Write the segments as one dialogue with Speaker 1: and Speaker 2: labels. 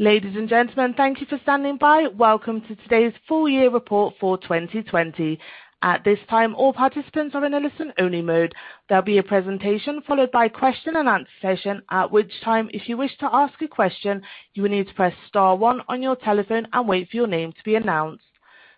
Speaker 1: Ladies and gentlemen, thank you for standing by, welcome to today's full year report for 2020. At this time all participants are in a listen-only mode. There will be a presentation followed by a question and answer session, at which time if you wish to ask a question, you need to press star one on your telephone and wait for your name to be announced.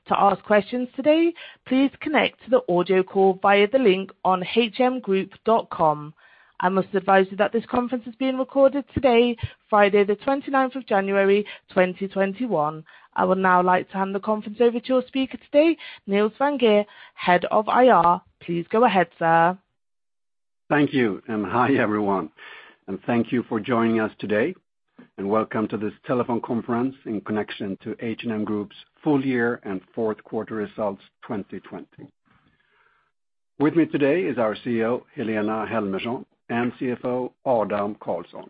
Speaker 1: To ask questions today, please connect to the audio call via the link on hmgroup.com. I must advise that this conference is being recorded today, Friday 29th of January 2021. I would now like to hand the conference over to your speaker today, Nils Vinge, Head of IR. Please go ahead, sir.
Speaker 2: Thank you. Hi everyone, and thank you for joining us today, and welcome to this telephone conference in connection to H&M Group's full year and fourth quarter results 2020. With me today is our CEO, Helena Helmersson and CFO Adam Karlsson.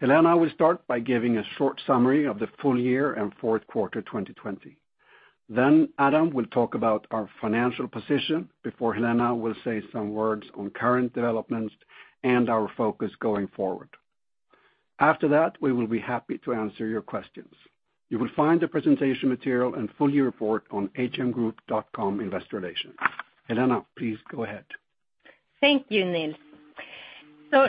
Speaker 2: Helena will start by giving a short summary of the full year and fourth quarter 2020. Adam will talk about our financial position before Helena will say some words on current developments and our focus going forward. After that, we will be happy to answer your questions. You will find the presentation material and full year report on hmgroup.com investor relations. Helena, please go ahead.
Speaker 3: Thank you, Nils.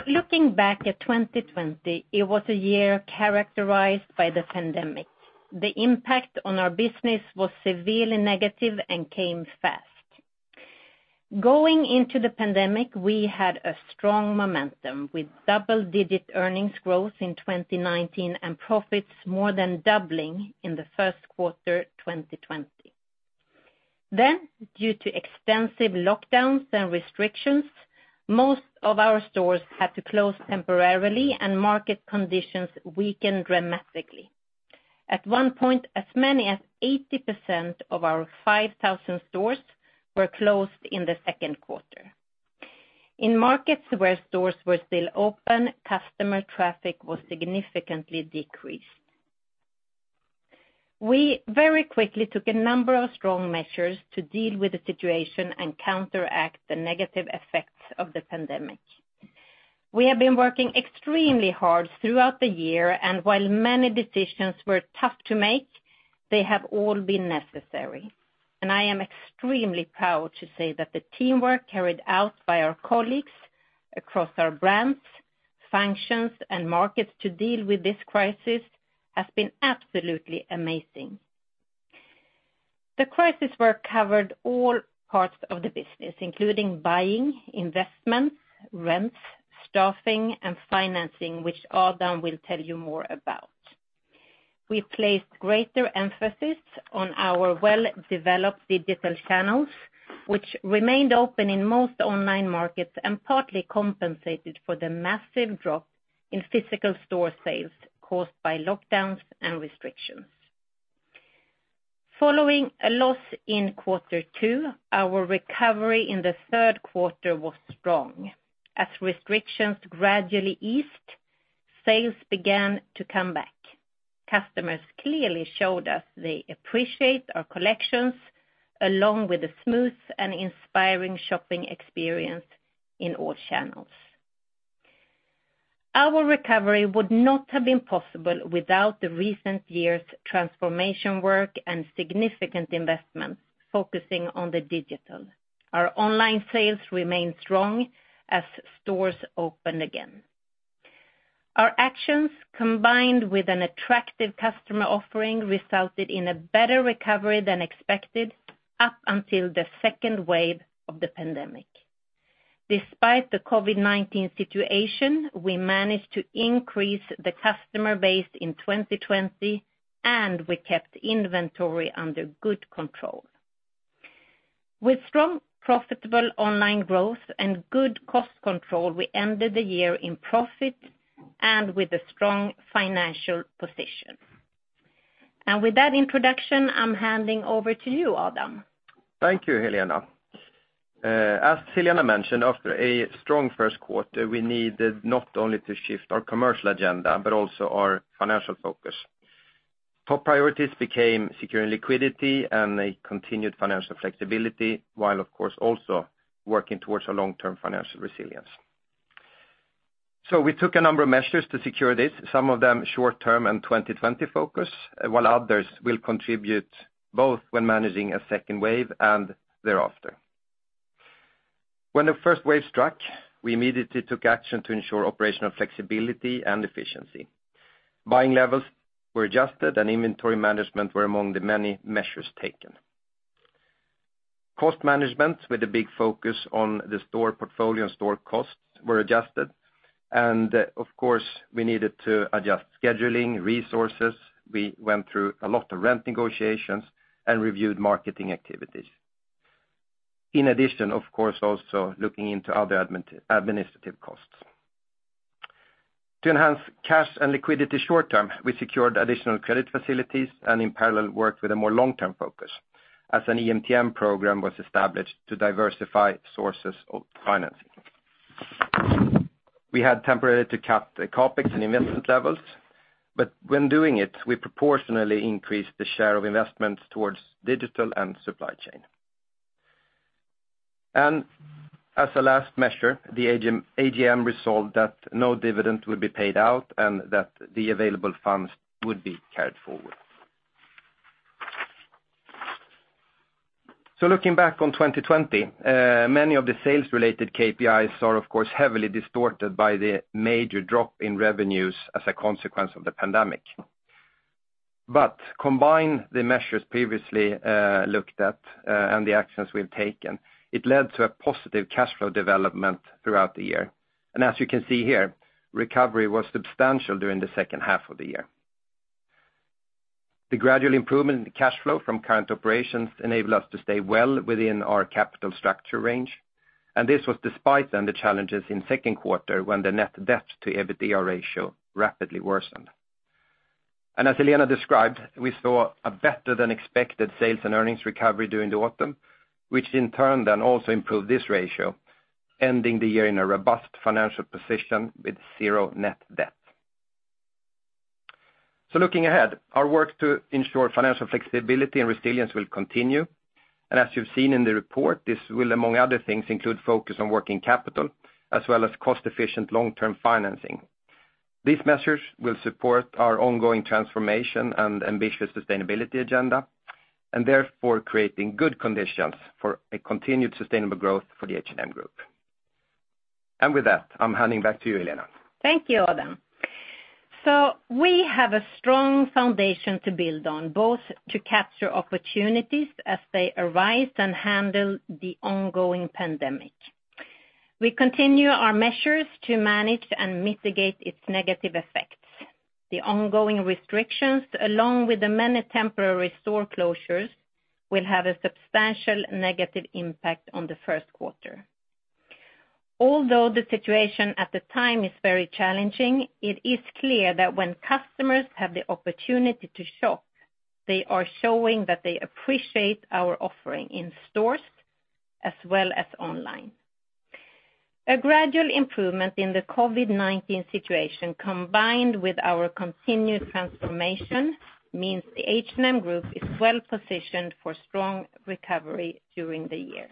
Speaker 3: Looking back at 2020, it was a year characterized by the pandemic. The impact on our business was severely negative and came fast. Going into the pandemic, we had a strong momentum with double-digit earnings growth in 2019 and profits more than doubling in the first quarter 2020. Due to extensive lockdowns and restrictions, most of our stores had to close temporarily and market conditions weakened dramatically. At one point, as many as 80% of our 5,000 stores were closed in the second quarter. In markets where stores were still open, customer traffic was significantly decreased. We very quickly took a number of strong measures to deal with the situation and counteract the negative effects of the pandemic. We have been working extremely hard throughout the year, and while many decisions were tough to make, they have all been necessary. I am extremely proud to say that the teamwork carried out by our colleagues across our brands, functions, and markets to deal with this crisis has been absolutely amazing. The crisis work covered all parts of the business, including buying, investments, rents, staffing, and financing, which Adam will tell you more about. We placed greater emphasis on our well-developed digital channels, which remained open in most online markets and partly compensated for the massive drop in physical store sales caused by lockdowns and restrictions. Following a loss in quarter two, our recovery in the third quarter was strong. Restrictions gradually eased, sales began to come back. Customers clearly showed us they appreciate our collections, along with a smooth and inspiring shopping experience in all channels. Our recovery would not have been possible without the recent year's transformation work and significant investments focusing on the digital. Our online sales remained strong as stores opened again. Our actions, combined with an attractive customer offering, resulted in a better recovery than expected up until the second wave of the pandemic. Despite the COVID-19 situation, we managed to increase the customer base in 2020, and we kept inventory under good control. With strong, profitable online growth and good cost control, we ended the year in profit and with a strong financial position. With that introduction, I'm handing over to you, Adam.
Speaker 4: Thank you, Helena. As Helena mentioned, after a strong first quarter, we needed not only to shift our commercial agenda, but also our financial focus. Top priorities became securing liquidity and a continued financial flexibility while of course also working towards a long-term financial resilience. We took a number of measures to secure this, some of them short-term and 2020 focus, while others will contribute both when managing a second wave and thereafter. When the first wave struck, we immediately took action to ensure operational flexibility and efficiency. Buying levels were adjusted and inventory management were among the many measures taken. Cost management, with a big focus on the store portfolio and store costs, were adjusted, and of course, we needed to adjust scheduling, resources. We went through a lot of rent negotiations and reviewed marketing activities. In addition, of course, we were also looking into other administrative costs. To enhance cash and liquidity short-term, we secured additional credit facilities and in parallel, worked with a more long-term focus as an EMTN program was established to diversify sources of financing. We had temporarily to cap the CapEx and investment levels, when doing it, we proportionally increased the share of investments towards digital and supply chain. As a last measure, the AGM resolved that no dividend would be paid out, and that the available funds would be carried forward. Looking back on 2020, many of the sales-related KPIs are, of course, heavily distorted by the major drop in revenues as a consequence of the pandemic. Combined, the measures previously looked at and the actions we've taken, it led to a positive cash flow development throughout the year. As you can see here, recovery was substantial during the second half of the year. The gradual improvement in the cash flow from current operations enable us to stay well within our capital structure range, and this was despite then the challenges in second quarter, when the net debt to EBITDA ratio rapidly worsened. As Helena described, we saw a better than expected sales and earnings recovery during the autumn, which in turn then also improved this ratio, ending the year in a robust financial position with zero net debt. Looking ahead, our work to ensure financial flexibility and resilience will continue. As you've seen in the report, this will, among other things, include focus on working capital as well as cost-efficient long-term financing. These measures will support our ongoing transformation and ambitious sustainability agenda, and therefore creating good conditions for a continued sustainable growth for the H&M Group. With that, I'm handing back to you, Helena.
Speaker 3: Thank you, Adam. We have a strong foundation to build on, both to capture opportunities as they arise and handle the ongoing pandemic. We continue our measures to manage and mitigate its negative effects. The ongoing restrictions, along with the many temporary store closures, will have a substantial negative impact on the first quarter. Although the situation at the time is very challenging, it is clear that when customers have the opportunity to shop, they are showing that they appreciate our offering in stores as well as online. A gradual improvement in the COVID-19 situation, combined with our continued transformation, means the H&M Group is well-positioned for strong recovery during the year.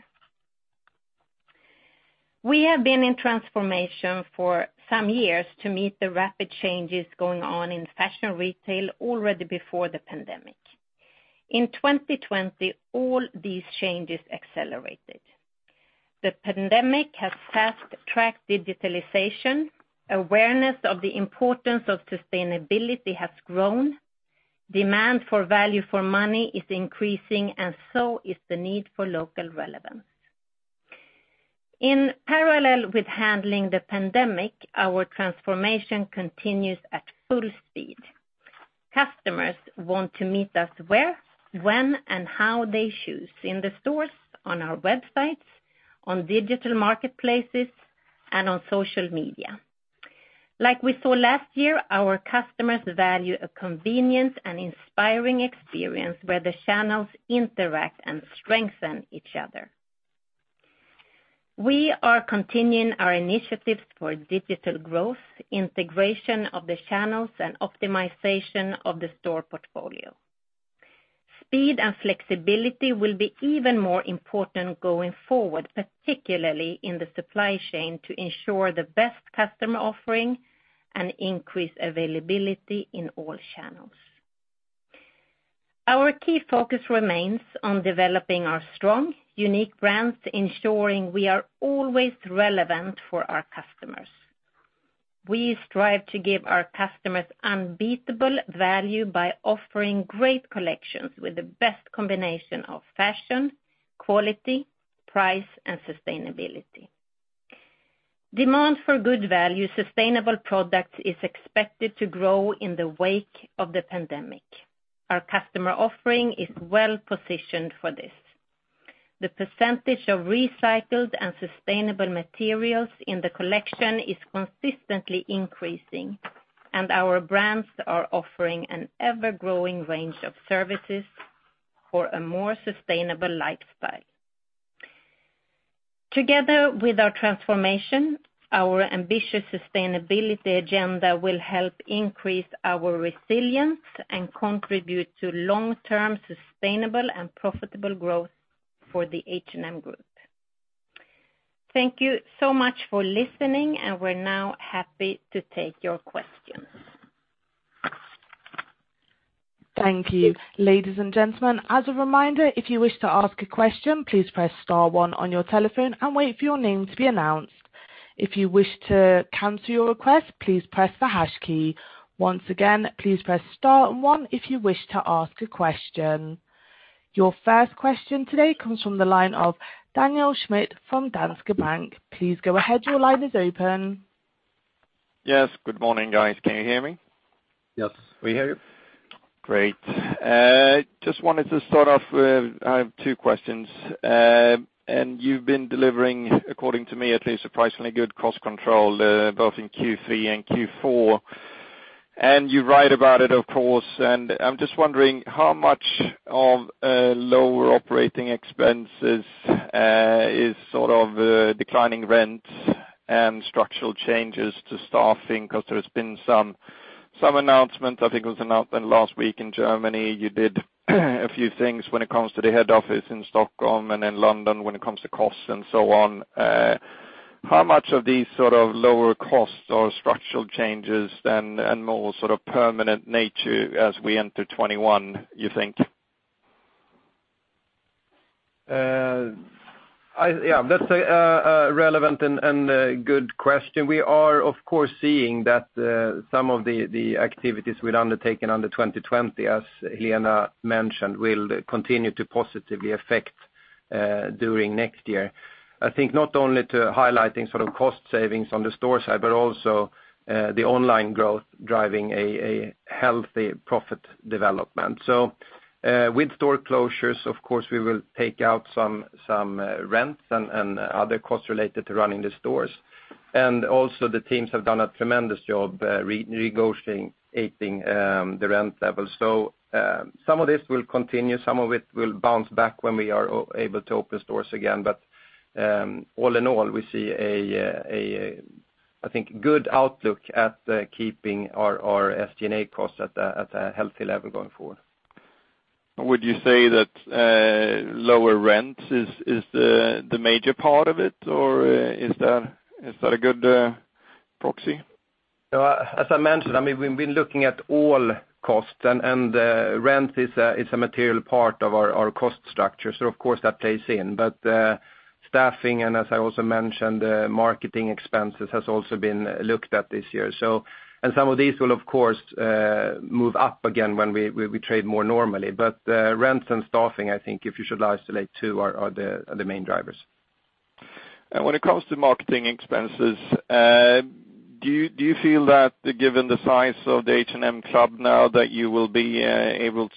Speaker 3: We have been in transformation for some years to meet the rapid changes going on in fashion retail already before the pandemic. In 2020, all these changes accelerated. The pandemic has fast-tracked digitalization, awareness of the importance of sustainability has grown, demand for value for money is increasing, and so is the need for local relevance. In parallel with handling the pandemic, our transformation continues at full speed. Customers want to meet us where, when, and how they choose, in the stores, on our websites, on digital marketplaces, and on social media. Like we saw last year, our customers value a convenient and inspiring experience where the channels interact and strengthen each other. We are continuing our initiatives for digital growth, integration of the channels, and optimization of the store portfolio. Speed and flexibility will be even more important going forward, particularly in the supply chain, to ensure the best customer offering and increase availability in all channels. Our key focus remains on developing our strong, unique brands, ensuring we are always relevant for our customers. We strive to give our customers unbeatable value by offering great collections with the best combination of fashion, quality, price, and sustainability. Demand for good value sustainable products is expected to grow in the wake of the pandemic. Our customer offering is well-positioned for this. The percentage of recycled and sustainable materials in the collection is consistently increasing, and our brands are offering an ever-growing range of services for a more sustainable lifestyle. Together with our transformation, our ambitious sustainability agenda will help increase our resilience and contribute to long-term sustainable and profitable growth for the H&M Group. Thank you so much for listening, and we're now happy to take your questions.
Speaker 1: Thank you. Ladies and gentlemen, as a reminder, if you wish to ask a question, please press star one on your telephone and wait for your name to be announced. If you wish to cancel your request, please press the hash key. Once again, please press star one if you wish to ask a question. Your first question today comes from the line of Daniel Schmidt from Danske Bank. Please go ahead. Your line is open.
Speaker 5: Yes. Good morning, guys. Can you hear me?
Speaker 2: Yes, we hear you.
Speaker 5: Great. Just wanted to start off with, I have two questions. You've been delivering, according to me at least, surprisingly good cost control, both in Q3 and Q4. You write about it, of course. I'm just wondering how much of lower operating expenses is sort of declining rent and structural changes to staffing, because there's been some announcements, I think it was announced last week in Germany, you did a few things when it comes to the head office in Stockholm and in London when it comes to costs and so on. How much of these sort of lower costs are structural changes and more permanent nature as we enter 2021, you think?
Speaker 4: Yeah. That's a relevant and good question. We are, of course, seeing that some of the activities we'd undertaken under 2020, as Helena mentioned, will continue to positively affect during next year. I think not only to highlighting cost savings on the store side, but also the online growth driving a healthy profit development. With store closures, of course, we will take out some rents and other costs related to running the stores. Also, the teams have done a tremendous job negotiating the rent levels. Some of this will continue, some of it will bounce back when we are able to open stores again. All in all, we see a, I think, good outlook at keeping our SG&A costs at a healthy level going forward.
Speaker 5: Would you say that lower rent is the major part of it, or is that a good proxy?
Speaker 4: As I mentioned, we've been looking at all costs, and rent is a material part of our cost structure, so of course that plays in. Staffing and as I also mentioned, marketing expenses has also been looked at this year. Some of these will, of course, move up again when we trade more normally. Rents and staffing, I think if you should isolate two, are the main drivers.
Speaker 5: When it comes to marketing expenses, do you feel that given the size of the H&M Group now that you will be able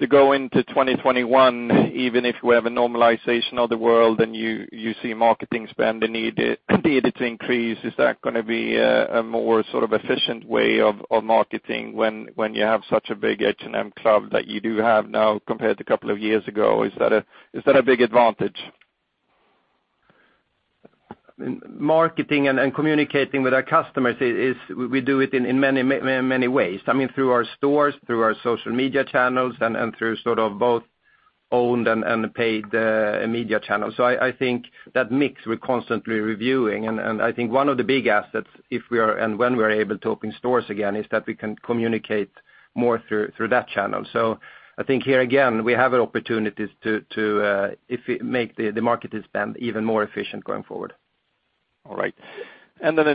Speaker 5: to go into 2021, even if we have a normalization of the world and you see marketing spend the need to increase, is that going to be a more efficient way of marketing when you have such a big H&M Group that you do have now compared to a couple of years ago? Is that a big advantage?
Speaker 4: Marketing and communicating with our customers, we do it in many ways. Through our stores, through our social media channels, and through both owned and paid media channels. I think that mix we're constantly reviewing, and I think one of the big assets, if we are and when we're able to open stores again, is that we can communicate more through that channel. I think here again, we have an opportunity to make the marketing spend even more efficient going forward.
Speaker 5: All right.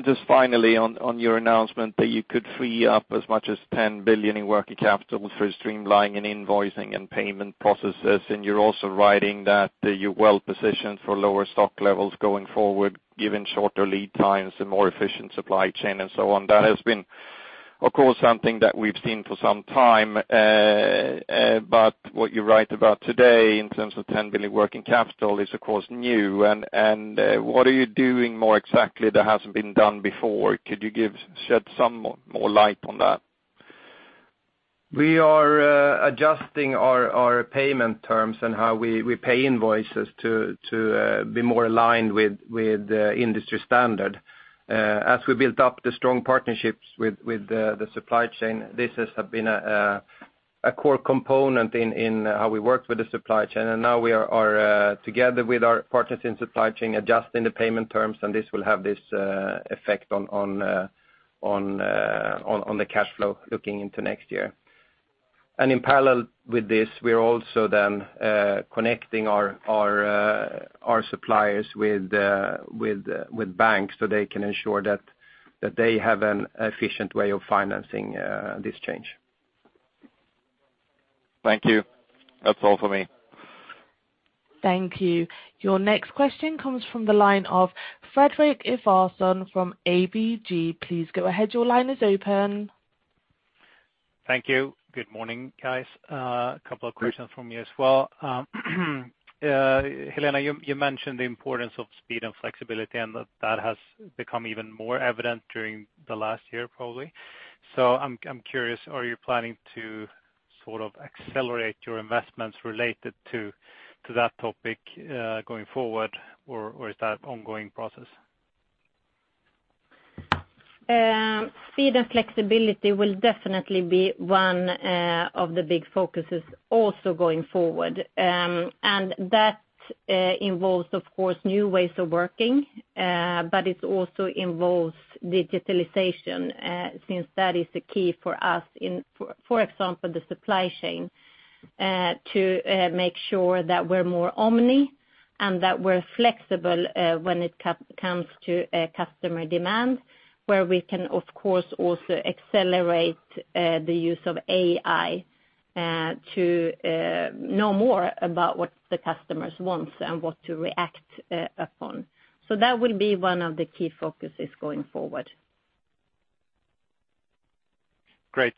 Speaker 5: Just finally on your announcement that you could free up as much as 10 billion in working capital through streamlining and invoicing and payment processes, and you're also writing that you're well positioned for lower stock levels going forward, given shorter lead times and more efficient supply chain and so on. That has been, of course, something that we've seen for some time. What you write about today in terms of 10 billion working capital is, of course, new. What are you doing more exactly that hasn't been done before? Could you shed some more light on that?
Speaker 4: We are adjusting our payment terms and how we pay invoices to be more aligned with industry standard. As we built up the strong partnerships with the supply chain, this has been a core component in how we work with the supply chain. Now we are together with our partners in supply chain, adjusting the payment terms, and this will have this effect on the cash flow looking into next year. In parallel with this, we're also then connecting our suppliers with banks so they can ensure that they have an efficient way of financing this change.
Speaker 5: Thank you. That's all for me.
Speaker 1: Thank you. Your next question comes from the line of Fredrik Ivarsson from ABG. Please go ahead. Your line is open.
Speaker 6: Thank you. Good morning, guys. Couple of questions from me as well. Helena, you mentioned the importance of speed and flexibility. That has become even more evident during the last year, probably. I'm curious, are you planning to accelerate your investments related to that topic, going forward, or is that ongoing process?
Speaker 3: Speed and flexibility will definitely be one of the big focuses also going forward. That involves, of course, new ways of working. It also involves digitalization, since that is the key for us in, for example, the supply chain, to make sure that we're more omni-channel and that we're flexible, when it comes to customer demand, where we can, of course, also accelerate the use of AI to know more about what the customers want and what to react upon. That will be one of the key focuses going forward.
Speaker 6: Great.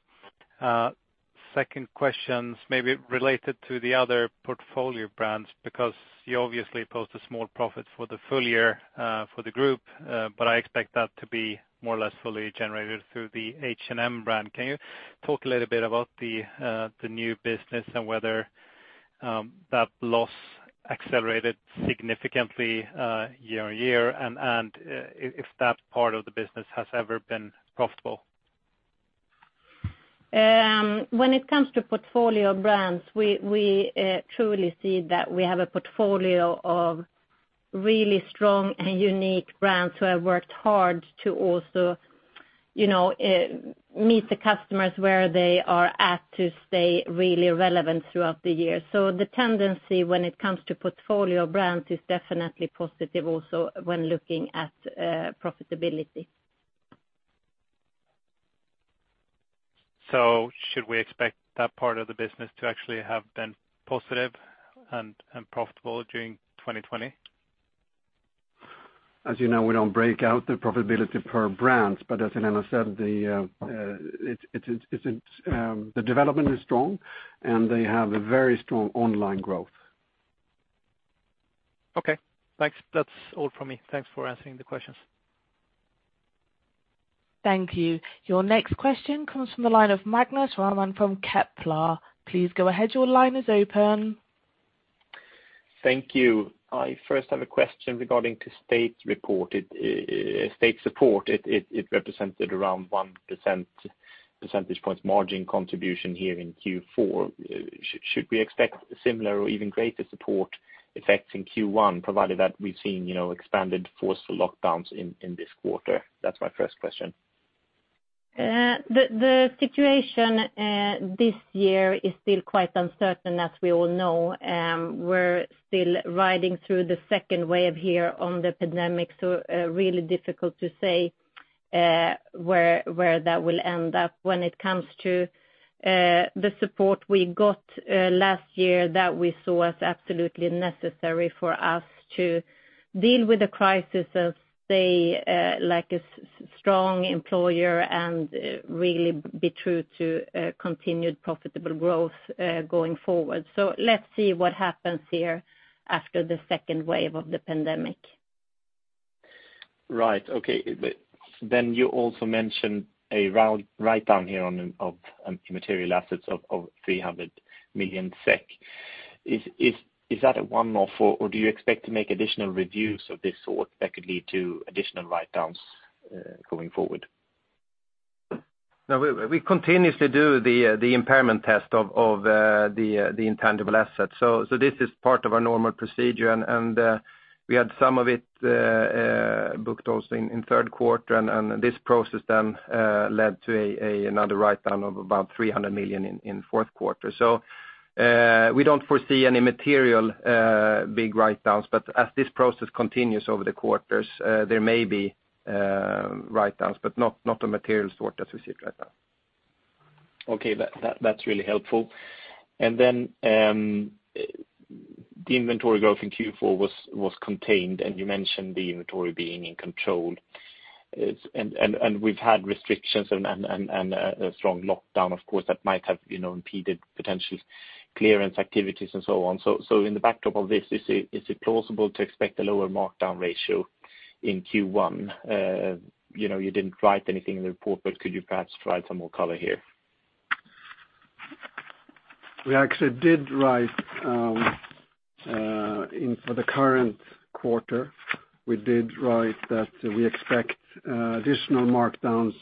Speaker 6: Second question is maybe related to the other portfolio brands, because you obviously post a small profit for the full year, for the group. I expect that to be more or less fully generated through the H&M brand. Can you talk a little bit about the new business and whether that loss accelerated significantly year-on-year, and if that part of the business has ever been profitable.
Speaker 3: When it comes to portfolio brands, we truly see that we have a portfolio of really strong and unique brands who have worked hard to also meet the customers where they are at, to stay really relevant throughout the year. The tendency when it comes to portfolio brands is definitely positive also when looking at profitability.
Speaker 6: Should we expect that part of the business to actually have been positive and profitable during 2020?
Speaker 4: As you know, we don't break out the profitability per brands. As Helena said, the development is strong and they have a very strong online growth.
Speaker 6: Okay, thanks. That's all from me. Thanks for answering the questions.
Speaker 1: Thank you. Your next question comes from the line of Magnus Råman from Kepler. Please go ahead.
Speaker 7: Thank you. I first have a question regarding to state support. It represented around 1% percentage points margin contribution here in Q4. Should we expect similar or even greater support effects in Q1, provided that we've seen expanded forceful lockdowns in this quarter? That's my first question.
Speaker 3: The situation this year is still quite uncertain, as we all know. We're still riding through the second wave here on the pandemic, so really difficult to say where that will end up. When it comes to the support we got last year, that we saw as absolutely necessary for us to deal with the crisis as a strong employer and really be true to continued profitable growth going forward. Let's see what happens here after the second wave of the pandemic.
Speaker 7: Right. Okay. You also mentioned a write down here of immaterial assets of 300 million SEK. Is that a one-off, or do you expect to make additional reviews of this sort that could lead to additional write downs going forward?
Speaker 4: No, we continuously do the impairment test of the intangible assets. This is part of our normal procedure, and we had some of it booked also in third quarter. This process led to another write down of about 300 million in fourth quarter. We don't foresee any material big write downs. As this process continues over the quarters, there may be write downs, but not a material sort as we see it right now.
Speaker 7: Okay. That's really helpful. The inventory growth in Q4 was contained, and you mentioned the inventory being in control. We've had restrictions and a strong lockdown, of course, that might have impeded potential clearance activities and so on. In the backdrop of this, is it plausible to expect a lower markdown ratio in Q1? You didn't write anything in the report, could you perhaps provide some more color here?
Speaker 2: We actually did write for the current quarter. We did write that we expect additional markdowns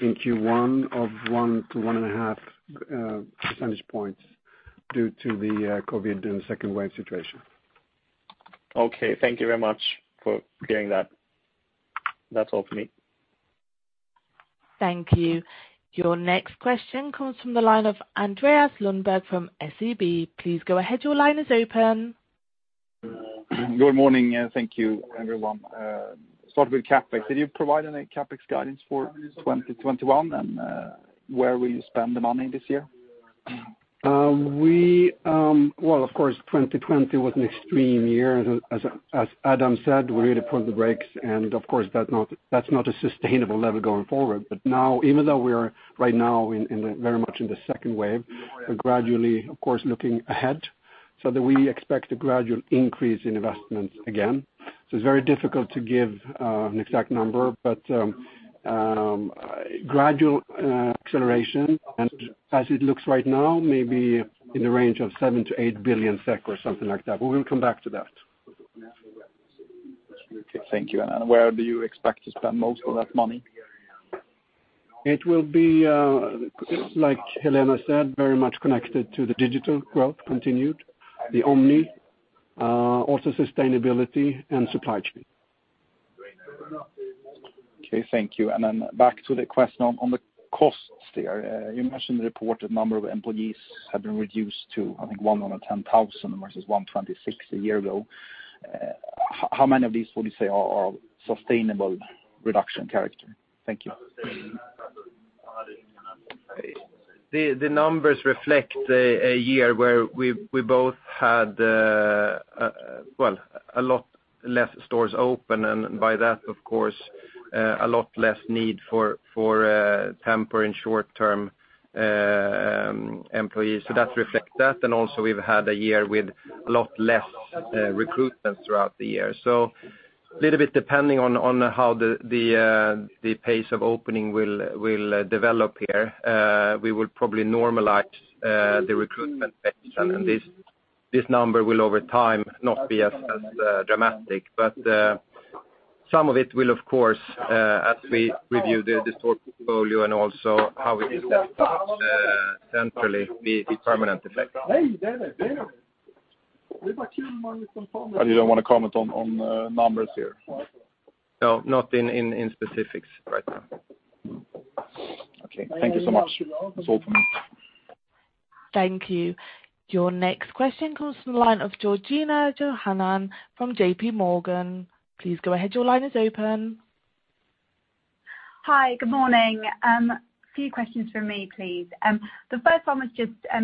Speaker 2: in Q1 of one to one and a half percentage points due to the COVID and the second wave situation.
Speaker 7: Okay. Thank you very much for clearing that. That's all for me.
Speaker 1: Thank you. Your next question comes from the line of Andreas Lundberg from SEB. Please go ahead. Your line is open.
Speaker 8: Good morning. Thank you, everyone. Start with CapEx. Did you provide any CapEx guidance for 2021, and where will you spend the money this year?
Speaker 2: Well, of course, 2020 was an extreme year. As Adam said, we really put the brakes and of course, that's not a sustainable level going forward. Now, even though we are right now very much in the second wave, we're gradually, of course, looking ahead, so that we expect a gradual increase in investments again. It's very difficult to give an exact number, but gradual acceleration and as it looks right now, maybe in the range of 7-8 billion SEK or something like that. We will come back to that.
Speaker 8: Okay. Thank you. Where do you expect to spend most of that money?
Speaker 2: It will be, like Helena said, very much connected to the digital growth continued, the omni, also sustainability and supply chain.
Speaker 8: Okay, thank you. Back to the question on the costs there. You mentioned the reported number of employees have been reduced to, I think, 110,000 versus 126,000 a year ago. How many of these would you say are sustainable reduction character? Thank you.
Speaker 4: The numbers reflect a year where we both had a lot less stores open, and by that, of course, a lot less need for temporary and short-term employees. That reflects that. Also we've had a year with a lot less recruitment throughout the year. Little bit depending on how the pace of opening will develop here. We will probably normalize the recruitment base, and this number will over time not be as dramatic. Some of it will, of course, as we review the store portfolio and also how we evolve that centrally, be permanent effect.
Speaker 8: You don't want to comment on numbers here?
Speaker 4: No, not in specifics right now.
Speaker 8: Okay. Thank you so much. That is all for me.
Speaker 1: Thank you. Your next question comes from the line of Georgina Johanan from JPMorgan. Please go ahead. Your line is open.
Speaker 9: Hi. Good morning. Few questions from me, please. The first one,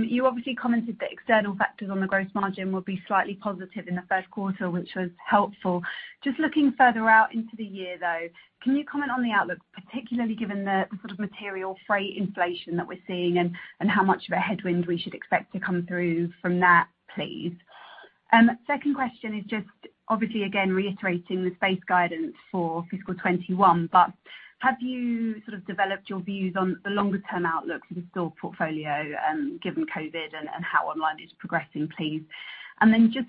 Speaker 9: you obviously commented that external factors on the gross margin will be slightly positive in the first quarter, which was helpful. Looking further out into the year, though, can you comment on the outlook, particularly given the sort of material freight inflation that we're seeing and how much of a headwind we should expect to come through from that, please? Second question is obviously again reiterating the space guidance for FY 2021. Have you sort of developed your views on the longer-term outlook for the store portfolio given COVID and how online is progressing, please?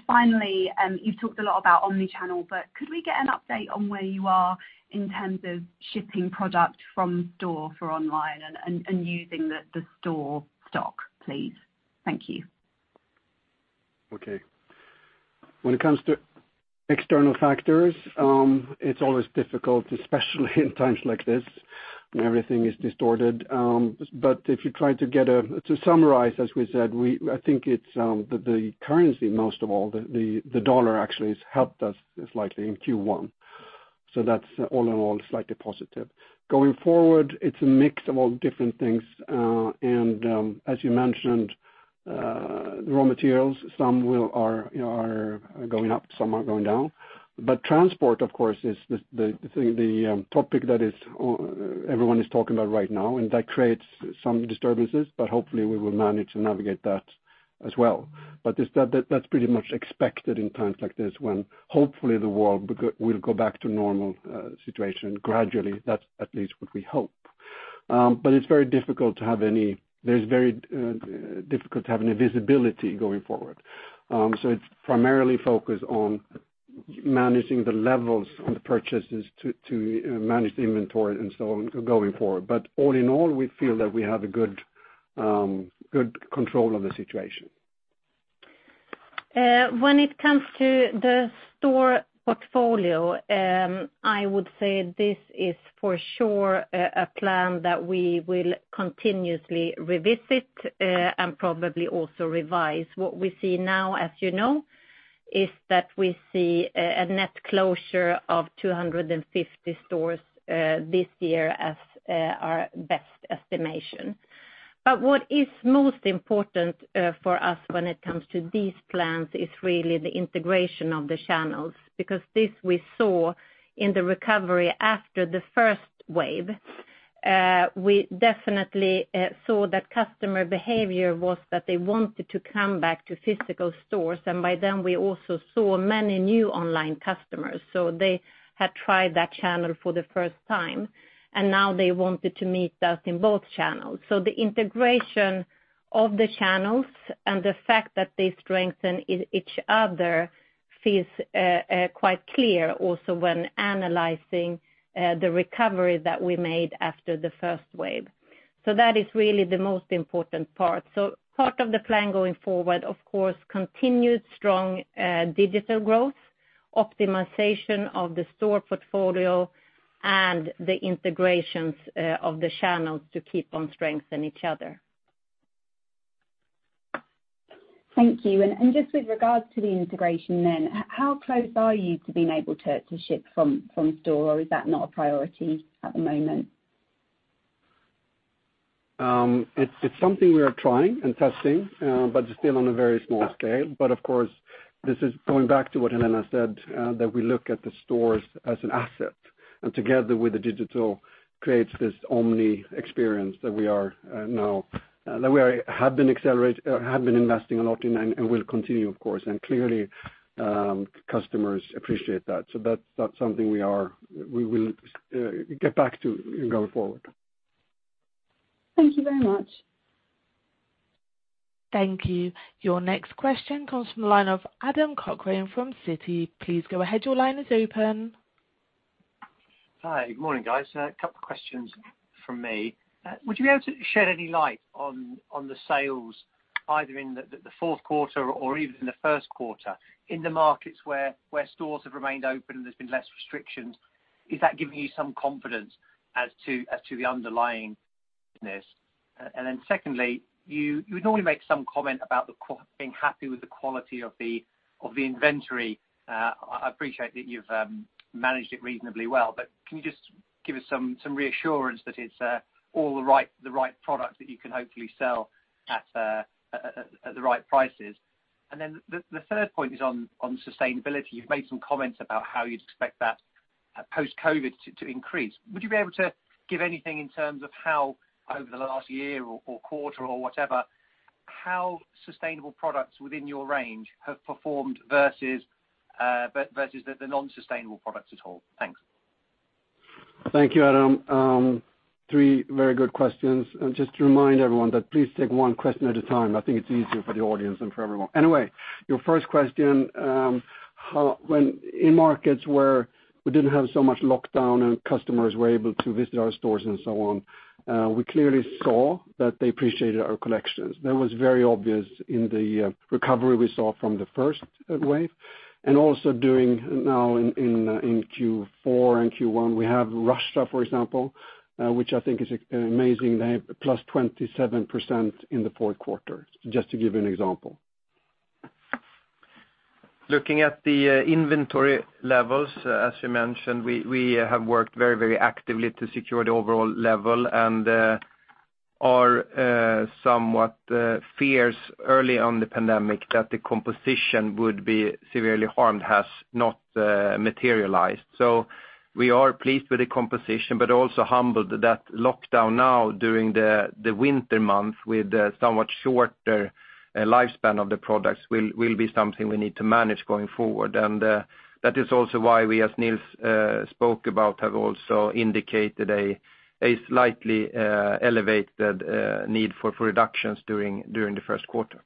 Speaker 9: Finally, you've talked a lot about omni-channel, but could we get an update on where you are in terms of shipping product from store for online and using the store stock, please? Thank you.
Speaker 2: Okay. When it comes to external factors, it's always difficult, especially in times like this when everything is distorted. To summarize, as we said, I think it's the currency most of all, the dollar actually has helped us slightly in Q1. That's all in all slightly positive. Going forward, it's a mix of all different things. As you mentioned, raw materials, some are going up, some are going down. Transport, of course, is the topic that everyone is talking about right now, and that creates some disturbances. Hopefully we will manage to navigate that as well. That's pretty much expected in times like this when hopefully the world will go back to normal situation gradually. That's at least what we hope. It's very difficult to have any visibility going forward. It's primarily focused on managing the levels on the purchases to manage the inventory and so on going forward. All in all, we feel that we have a good control of the situation.
Speaker 3: When it comes to the store portfolio, I would say this is for sure a plan that we will continuously revisit and probably also revise. What we see now, as you know, is that we see a net closure of 250 stores this year as our best estimation. What is most important for us when it comes to these plans is really the integration of the channels, because this we saw in the recovery after the first wave. We definitely saw that customer behavior was that they wanted to come back to physical stores, and by then we also saw many new online customers. They had tried that channel for the first time, and now they wanted to meet us in both channels. The integration of the channels and the fact that they strengthen each other feels quite clear also when analyzing the recovery that we made after the first wave. That is really the most important part. Part of the plan going forward, of course, continued strong digital growth, optimization of the store portfolio, and the integrations of the channels to keep on strengthening each other.
Speaker 9: Thank you. Just with regards to the integration then, how close are you to being able to ship from store, or is that not a priority at the moment?
Speaker 2: It's something we are trying and testing, but still on a very small scale. Of course, this is going back to what Helena said, that we look at the stores as an asset and together with the digital creates this omni-channel experience that we have been investing a lot in and will continue, of course. Clearly, customers appreciate that. That's something we will get back to going forward.
Speaker 9: Thank you very much.
Speaker 1: Thank you. Your next question comes from the line of Adam Cochrane from Citi. Please go ahead. Your line is open.
Speaker 10: Hi. Good morning, guys. A couple questions from me. Would you be able to shed any light on the sales either in the fourth quarter or even in the first quarter in the markets where stores have remained open and there's been less restrictions? Is that giving you some confidence as to the underlying business? Secondly, you would normally make some comment about being happy with the quality of the inventory. I appreciate that you've managed it reasonably well, but can you just give us some reassurance that it's all the right product that you can hopefully sell at the right prices? The third point is on sustainability. Post-COVID to increase. Would you be able to give anything in terms of how over the last year or quarter or whatever, how sustainable products within your range have performed versus the non-sustainable products at all? Thanks.
Speaker 2: Thank you, Adam. Three very good questions. Just to remind everyone that please take one question at a time. I think it's easier for the audience and for everyone. Your first question, in markets where we didn't have so much lockdown and customers were able to visit our stores and so on, we clearly saw that they appreciated our collections. That was very obvious in the recovery we saw from the first wave, also doing now in Q4 and Q1. We have Russia, for example, which I think is amazing. They have +27% in the fourth quarter, just to give you an example.
Speaker 4: Looking at the inventory levels, as you mentioned, we have worked very actively to secure the overall level. Our somewhat fears early on the pandemic that the composition would be severely harmed has not materialized. We are pleased with the composition, but also humbled that lockdown now during the winter month with somewhat shorter lifespan of the products will be something we need to manage going forward. That is also why we, as Nils spoke about, have also indicated a slightly elevated need for reductions during the first quarter.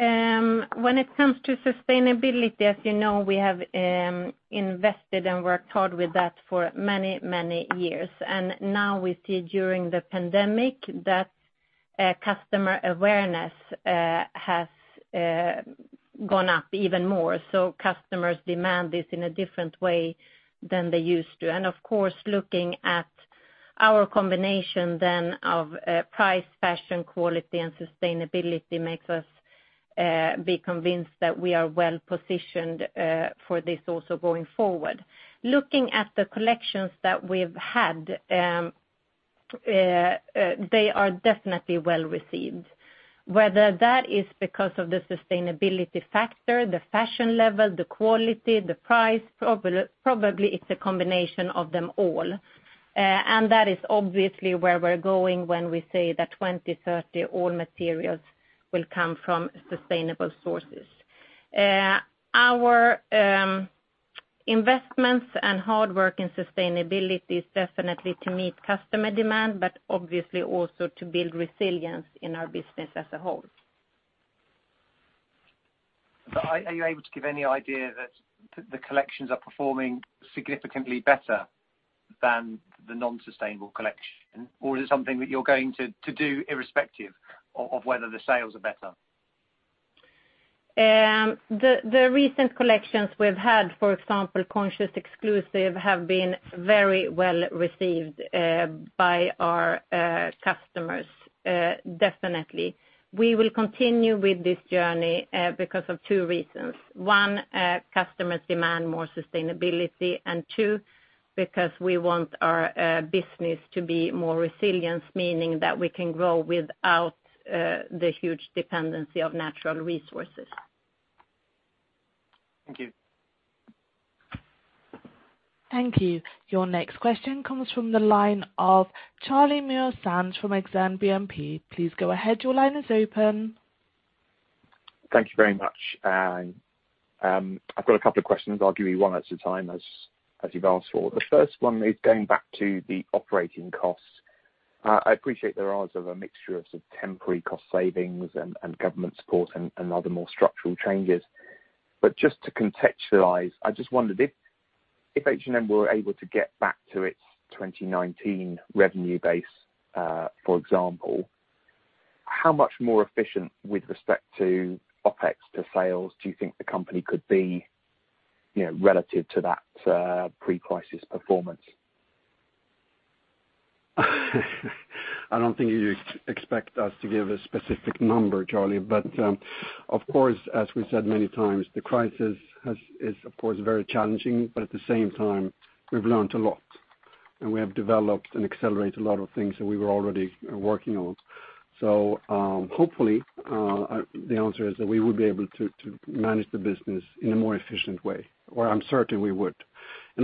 Speaker 3: When it comes to sustainability, as you know, we have invested and worked hard with that for many years. Now we see during the pandemic that customer awareness has gone up even more. Customers demand this in a different way than they used to. Of course, looking at our combination then of price, fashion, quality and sustainability makes us be convinced that we are well positioned for this also going forward. Looking at the collections that we've had, they are definitely well-received. Whether that is because of the sustainability factor, the fashion level, the quality, the price, probably it's a combination of them all. That is obviously where we're going when we say that 2030, all materials will come from sustainable sources. Our investments and hard work in sustainability is definitely to meet customer demand, but obviously also to build resilience in our business as a whole.
Speaker 10: Are you able to give any idea that the collections are performing significantly better than the non-sustainable collection? Is it something that you're going to do irrespective of whether the sales are better?
Speaker 3: The recent collections we've had, for example, Conscious Exclusive, have been very well received by our customers, definitely. We will continue with this journey because of two reasons. One, customers demand more sustainability, and two, because we want our business to be more resilient, meaning that we can grow without the huge dependency of natural resources.
Speaker 10: Thank you.
Speaker 1: Thank you. Your next question comes from the line of Charlie Muir-Sands from Exane BNP. Please go ahead. Your line is open.
Speaker 11: Thank you very much. I've got a couple of questions. I'll give you one at a time as you've asked for. The first one is going back to the operating costs. I appreciate there are a mixture of temporary cost savings and government support and other more structural changes. Just to contextualize, I just wondered if H&M were able to get back to its 2019 revenue base, for example, how much more efficient with respect to OpEx to sales do you think the company could be, relative to that pre-crisis performance?
Speaker 2: I don't think you expect us to give a specific number, Charlie. Of course, as we said many times, the crisis is of course very challenging, but at the same time, we've learned a lot. We have developed and accelerated a lot of things that we were already working on. Hopefully, the answer is that we would be able to manage the business in a more efficient way, or I'm certain we would.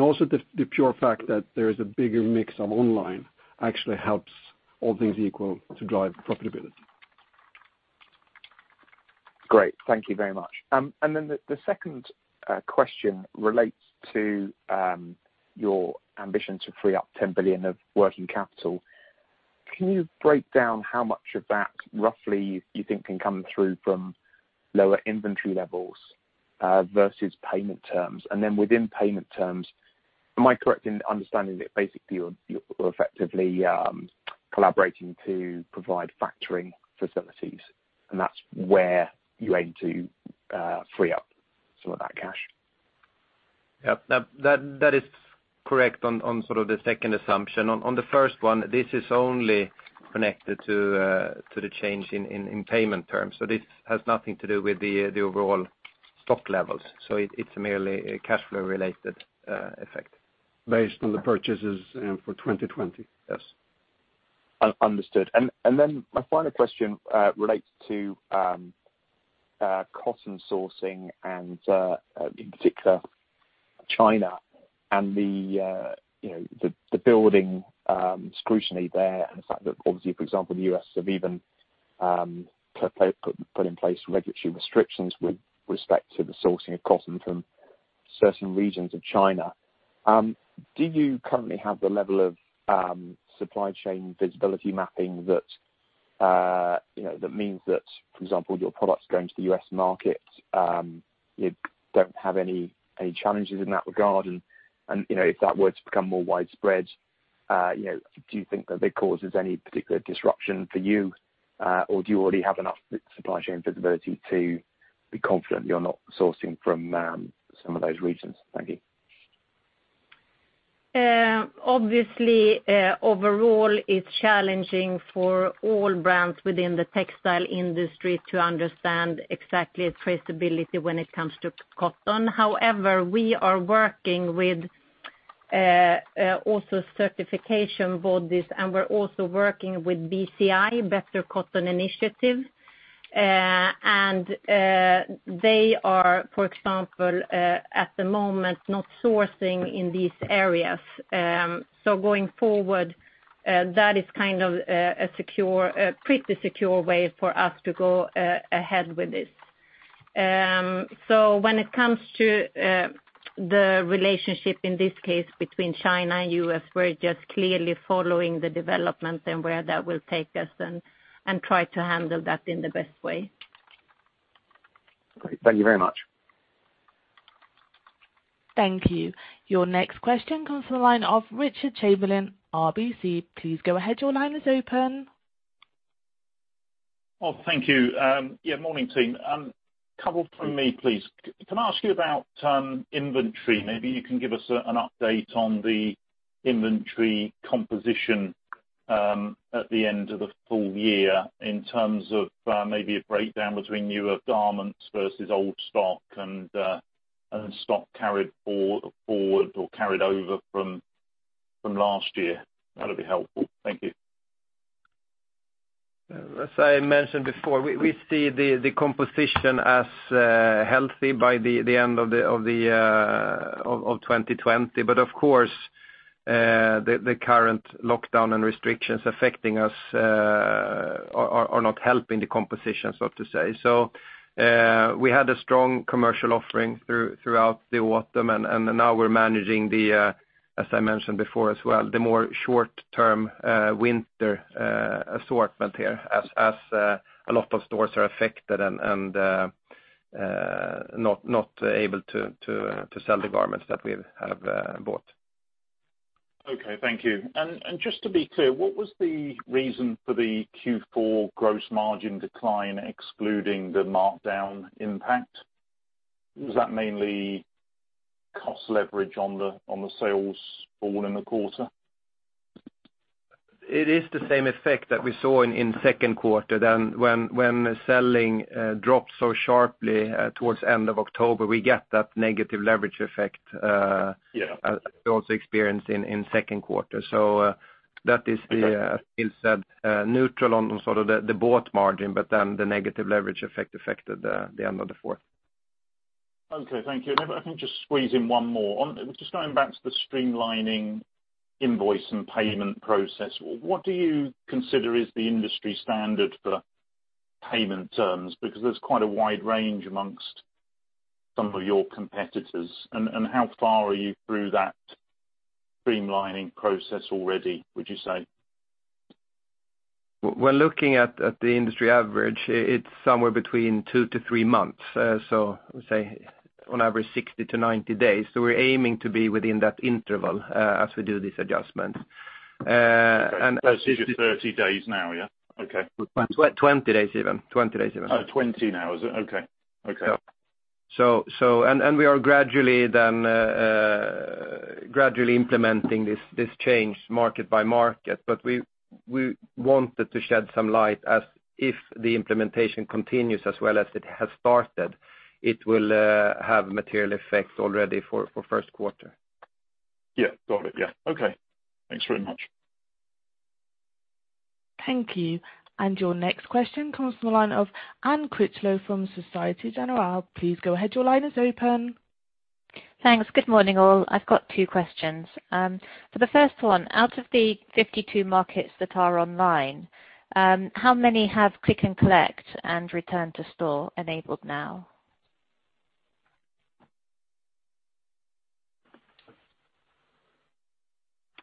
Speaker 2: Also, the pure fact that there is a bigger mix of online actually helps all things equal to drive profitability.
Speaker 11: Great. Thank you very much. The second question relates to your ambition to free up 10 billion of working capital. Can you break down how much of that, roughly, you think can come through from lower inventory levels versus payment terms? Within payment terms, am I correct in understanding that basically you're effectively collaborating to provide factoring facilities, and that's where you aim to free up some of that cash?
Speaker 4: Yep. That is correct on the second assumption. On the first one, this is only connected to the change in payment terms. This has nothing to do with the overall stock levels. It's merely a cash flow related effect.
Speaker 2: Based on the purchases for 2020.
Speaker 4: Yes
Speaker 11: Understood. My final question relates to cotton sourcing and, in particular, China and the building scrutiny there, and the fact that, obviously, for example, the U.S. have even put in place regulatory restrictions with respect to the sourcing of cotton from certain regions of China. Do you currently have the level of supply chain visibility mapping that means that, for example, your products going to the U.S. market, you don't have any challenges in that regard? If that were to become more widespread, do you think that it causes any particular disruption for you? Do you already have enough supply chain visibility to be confident you're not sourcing from some of those regions? Thank you.
Speaker 3: Obviously, overall, it is challenging for all brands within the textile industry to understand exactly its traceability when it comes to cotton. However, we are working with also certification bodies, and we are also working with BCI, Better Cotton Initiative, and they are, for example, at the moment, not sourcing in these areas. Going forward, that is a pretty secure way for us to go ahead with this. When it comes to the relationship, in this case, between China and U.S., we are just clearly following the development and where that will take us and try to handle that in the best way.
Speaker 11: Great. Thank you very much.
Speaker 1: Thank you. Your next question comes from the line of Richard Chamberlain, RBC. Please go ahead. Your line is open.
Speaker 12: Well, thank you. Yeah, morning team. A couple from me, please. Can I ask you about inventory? Maybe you can give us an update on the inventory composition at the end of the full year in terms of maybe a breakdown between newer garments versus old stock and stock carried forward or carried over from last year. That would be helpful. Thank you.
Speaker 4: As I mentioned before, we see the composition as healthy by the end of 2020. Of course, the current lockdown and restrictions affecting us are not helping the composition, so to say. We had a strong commercial offering throughout the autumn, and now we're managing the, as I mentioned before as well, the more short-term winter assortment here as a lot of stores are affected and not able to sell the garments that we have bought.
Speaker 12: Okay, thank you. Just to be clear, what was the reason for the Q4 gross margin decline excluding the markdown impact? Was that mainly cost leverage on the sales fall in the quarter?
Speaker 4: It is the same effect that we saw in second quarter than when selling dropped so sharply towards the end of October. We get that negative leverage effect.
Speaker 12: Yeah
Speaker 4: as we also experienced in second quarter.
Speaker 12: Okay
Speaker 4: neutral on the bought margin, but then the negative leverage effect affected the end of the fourth.
Speaker 12: Okay, thank you. If I can just squeeze in one more. Just going back to the streamlining invoice and payment process, what do you consider is the industry standard for payment terms? There's quite a wide range amongst some of your competitors. How far are you through that streamlining process already, would you say?
Speaker 4: We're looking at the industry average. It's somewhere between two to three months. Say, on average, 60-90 days. We're aiming to be within that interval as we do this adjustment.
Speaker 12: Okay. It is 30 days now, yeah? Okay.
Speaker 4: 20 days even.
Speaker 12: Oh, 20 days now, is it? Okay.
Speaker 4: Yeah. We are gradually implementing this change market by market. We wanted to shed some light as if the implementation continues as well as it has started, it will have material effects already for first quarter.
Speaker 12: Yeah, got it. Yeah. Okay. Thanks very much.
Speaker 1: Thank you. Your next question comes from the line of Anne Critchlow from Société Générale. Please go ahead.
Speaker 13: Thanks. Good morning, all. I've got two questions. The first one, out of the 52 markets that are online, how many have click and collect and return to store enabled now?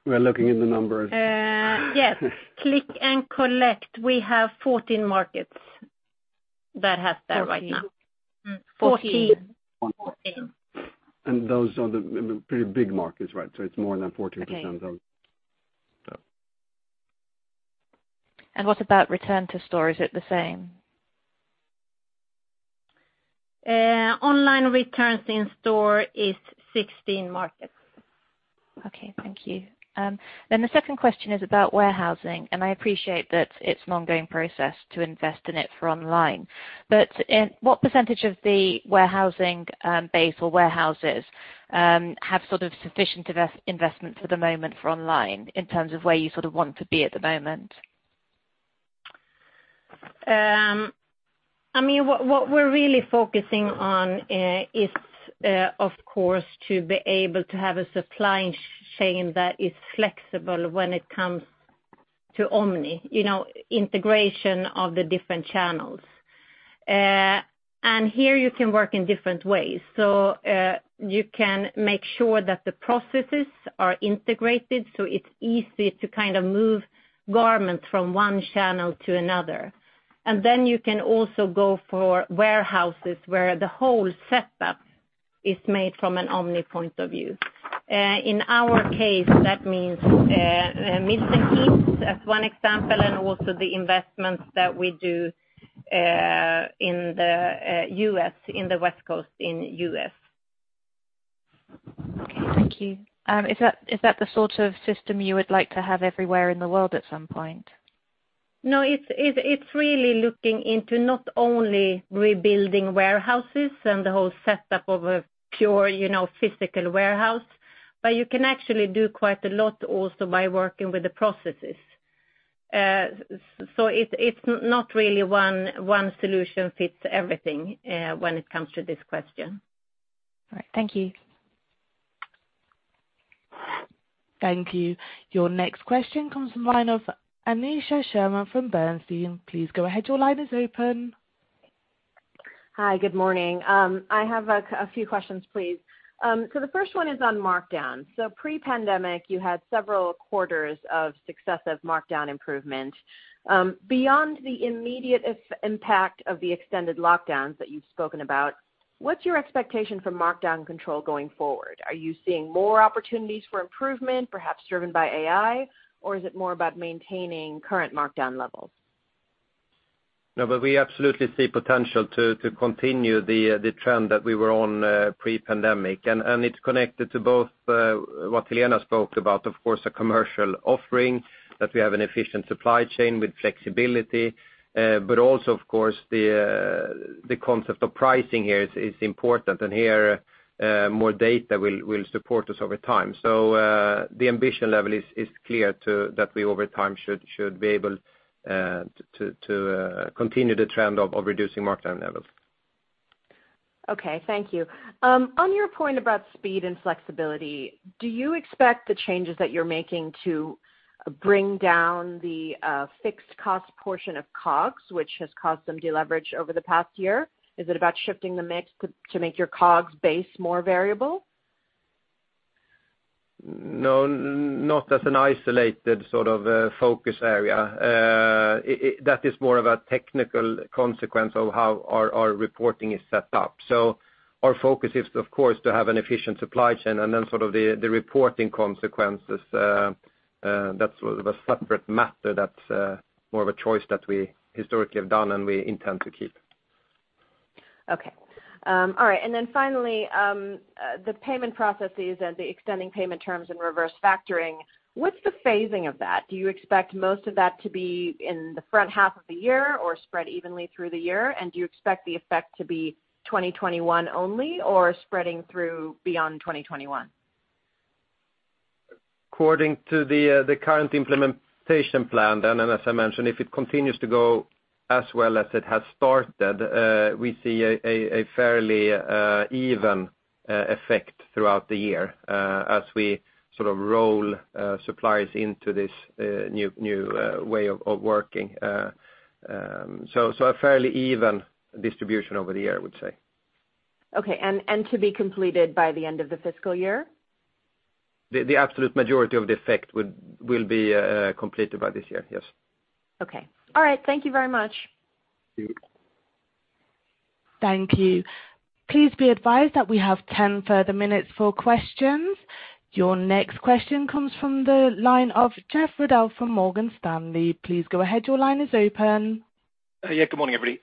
Speaker 4: We're looking in the numbers.
Speaker 3: Yes. Click and collect, we have 14 markets that have that right now.
Speaker 13: 14 markets.
Speaker 3: 14 markets.
Speaker 4: Those are the pretty big markets, so it's more than 14% of-
Speaker 13: Okay
Speaker 4: Yeah.
Speaker 13: What about return to store? Is it the same?
Speaker 3: Online returns in store is 16 markets.
Speaker 13: Okay, thank you. The second question is about warehousing, and I appreciate that it's an ongoing process to invest in it for online. What percentage of the warehousing base or warehouses have sufficient investment at the moment for online in terms of where you sort of want to be at the moment?
Speaker 3: What we're really focusing on is, of course, to be able to have a supply chain that is flexible when it comes to omni-channel, integration of the different channels. Here you can work in different ways. You can make sure that the processes are integrated, so it's easy to move garments from one channel to another. You can also go for warehouses where the whole setup is made from an omni-channel point of view. In our case, that means Milton Keynes as one example, and also the investments that we do in the West Coast in the U.S.
Speaker 13: Okay, thank you. Is that the sort of system you would like to have everywhere in the world at some point?
Speaker 3: No, it's really looking into not only rebuilding warehouses and the whole setup of a pure physical warehouse, but you can actually do quite a lot also by working with the processes. It's not really one solution fits everything when it comes to this question.
Speaker 13: All right. Thank you.
Speaker 1: Thank you. Your next question comes from line of Aneesha Sherman from Bernstein. Please go ahead.
Speaker 14: Hi. Good morning. I have a few questions, please. The first one is on markdowns. Pre-pandemic, you had several quarters of successive markdown improvement. Beyond the immediate impact of the extended lockdowns that you've spoken about, what's your expectation for markdown control going forward? Are you seeing more opportunities for improvement, perhaps driven by AI? Is it more about maintaining current markdown levels?
Speaker 4: We absolutely see potential to continue the trend that we were on pre-pandemic. It's connected to both what Helena spoke about, of course, a commercial offering, that we have an efficient supply chain with flexibility. Also, of course, the concept of pricing here is important, and here more data will support us over time. The ambition level is clear that we, over time, should be able to continue the trend of reducing markdown levels.
Speaker 14: Okay, thank you. On your point about speed and flexibility, do you expect the changes that you're making to bring down the fixed cost portion of COGS, which has caused some deleverage over the past year? Is it about shifting the mix to make your COGS base more variable?
Speaker 4: No, not as an isolated sort of focus area. That is more of a technical consequence of how our reporting is set up. Our focus is, of course, to have an efficient supply chain, and then sort of the reporting consequences, that's a separate matter that's more of a choice that we historically have done and we intend to keep.
Speaker 14: Okay. All right, then finally, the payment processes and the extending payment terms and reverse factoring, what's the phasing of that? Do you expect most of that to be in the front half of the year or spread evenly through the year? Do you expect the effect to be 2021 only, or spreading through beyond 2021?
Speaker 4: According to the current implementation plan, and as I mentioned, if it continues to go as well as it has started, we see a fairly even effect throughout the year as we roll supplies into this new way of working. A fairly even distribution over the year, I would say.
Speaker 14: Okay, to be completed by the end of the fiscal year?
Speaker 4: The absolute majority of the effect will be completed by this year, yes.
Speaker 14: Okay. All right. Thank you very much.
Speaker 4: Thank you.
Speaker 1: Thank you. Please be advised that we have 10 further minutes for questions. Your next question comes from the line of Geoff Ruddell from Morgan Stanley. Please go ahead. Your line is open.
Speaker 15: Good morning, everybody.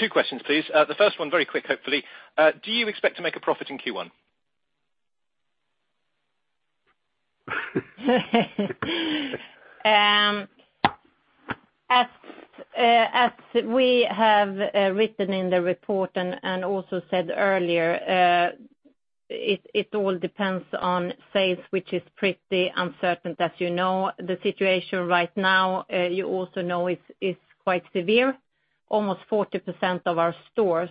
Speaker 15: Two questions, please. The first one very quick, hopefully. Do you expect to make a profit in Q1?
Speaker 3: As we have written in the report and also said earlier, it all depends on sales, which is pretty uncertain as you know. The situation right now, you also know, is quite severe. Almost 40% of our stores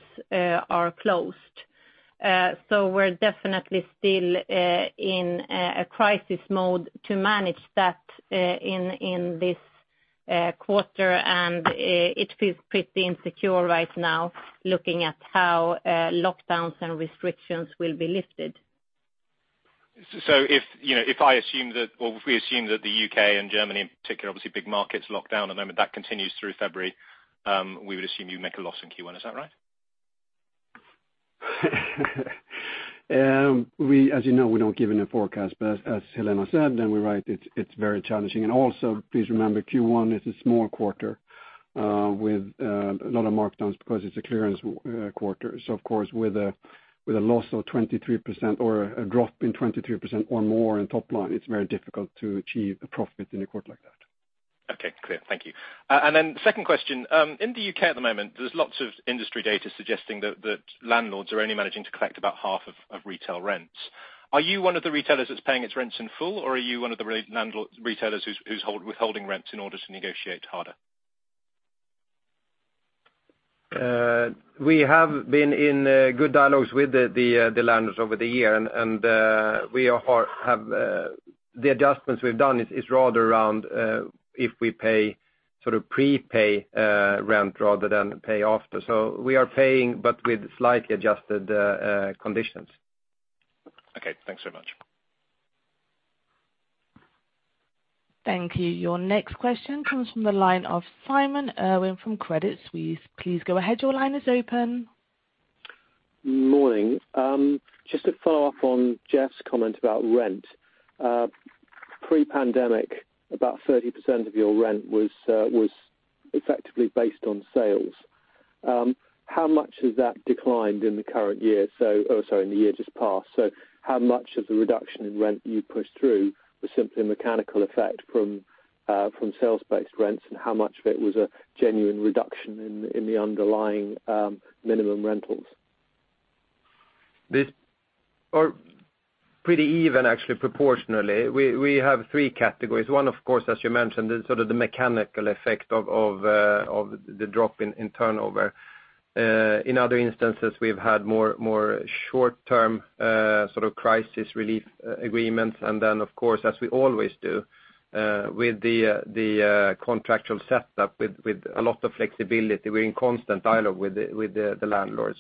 Speaker 3: are closed. We're definitely still in a crisis mode to manage that in this quarter, and it feels pretty insecure right now looking at how lockdowns and restrictions will be lifted.
Speaker 15: If we assume that the U.K. and Germany in particular, obviously big markets locked down at the moment, that continues through February, we would assume you'd make a loss in Q1. Is that right?
Speaker 4: As you know, we don't give any forecast. As Helena said, and we write, it's very challenging. Also, please remember, Q1 is a small quarter with a lot of markdowns because it's a clearance quarter. Of course, with a loss of 23% or a drop in 23% or more in top line, it's very difficult to achieve a profit in a quarter like that.
Speaker 15: Okay. Clear. Thank you. Second question. In the U.K. at the moment, there's lots of industry data suggesting that landlords are only managing to collect about half of retail rents. Are you one of the retailers that's paying its rents in full, or are you one of the retailers who's withholding rents in order to negotiate harder?
Speaker 4: We have been in good dialogues with the landlords over the year. The adjustments we've done is rather around if we prepay rent rather than pay after. We are paying, but with slightly adjusted conditions.
Speaker 15: Okay, thanks so much.
Speaker 1: Thank you. Your next question comes from the line of Simon Irwin from Credit Suisse. Please go ahead. Your line is open.
Speaker 16: Morning. Just to follow up on Geoff's comment about rent. Pre-pandemic, about 30% of your rent was effectively based on sales. How much has that declined in the year just passed? How much of the reduction in rent you pushed through was simply a mechanical effect from sales-based rents, and how much of it was a genuine reduction in the underlying minimum rentals?
Speaker 4: Pretty even actually, proportionally. We have three categories. One, of course, as you mentioned, is sort of the mechanical effect of the drop in turnover. In other instances, we've had more short-term crisis relief agreements. Of course, as we always do with the contractual setup, with a lot of flexibility, we're in constant dialogue with the landlord.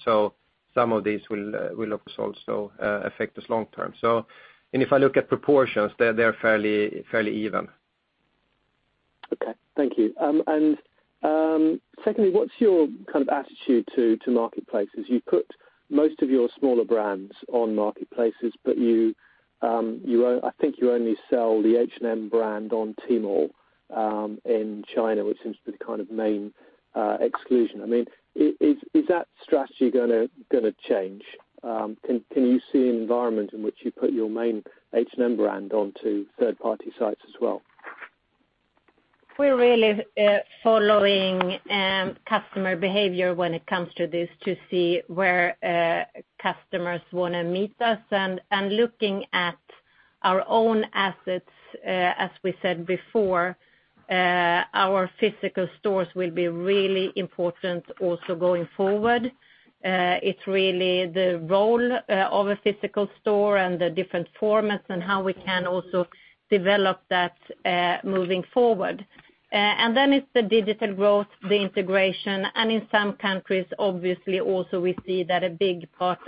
Speaker 4: Some of these will obviously also affect us long term. If I look at proportions, they're fairly even.
Speaker 16: Okay. Thank you. Secondly, what's your attitude to marketplaces? You put most of your smaller brands on marketplaces. I think you only sell the H&M brand on Tmall in China, which seems to be the kind of main exclusion. Is that strategy going to change? Can you see an environment in which you put your main H&M brand onto third-party sites as well?
Speaker 3: We're really following customer behavior when it comes to this to see where customers want to meet us and looking at our own assets. As we said before, our physical stores will be really important also going forward. It's really the role of a physical store and the different formats and how we can also develop that moving forward. It's the digital growth, the integration, and in some countries, obviously, also we see that a big part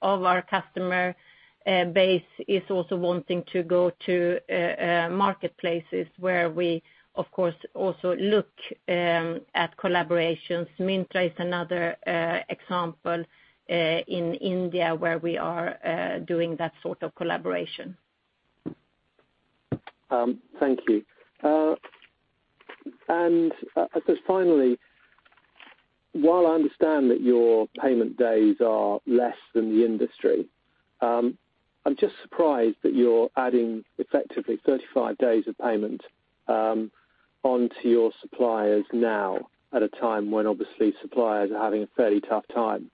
Speaker 3: of our customer base is also wanting to go to marketplaces where we, of course, also look at collaborations. Myntra is another example in India where we are doing that sort of collaboration.
Speaker 16: Thank you. Just finally, while I understand that your payment days are less than the industry, I'm just surprised that you're adding effectively 35 days of payment onto your suppliers now at a time when obviously suppliers are having a fairly tough time,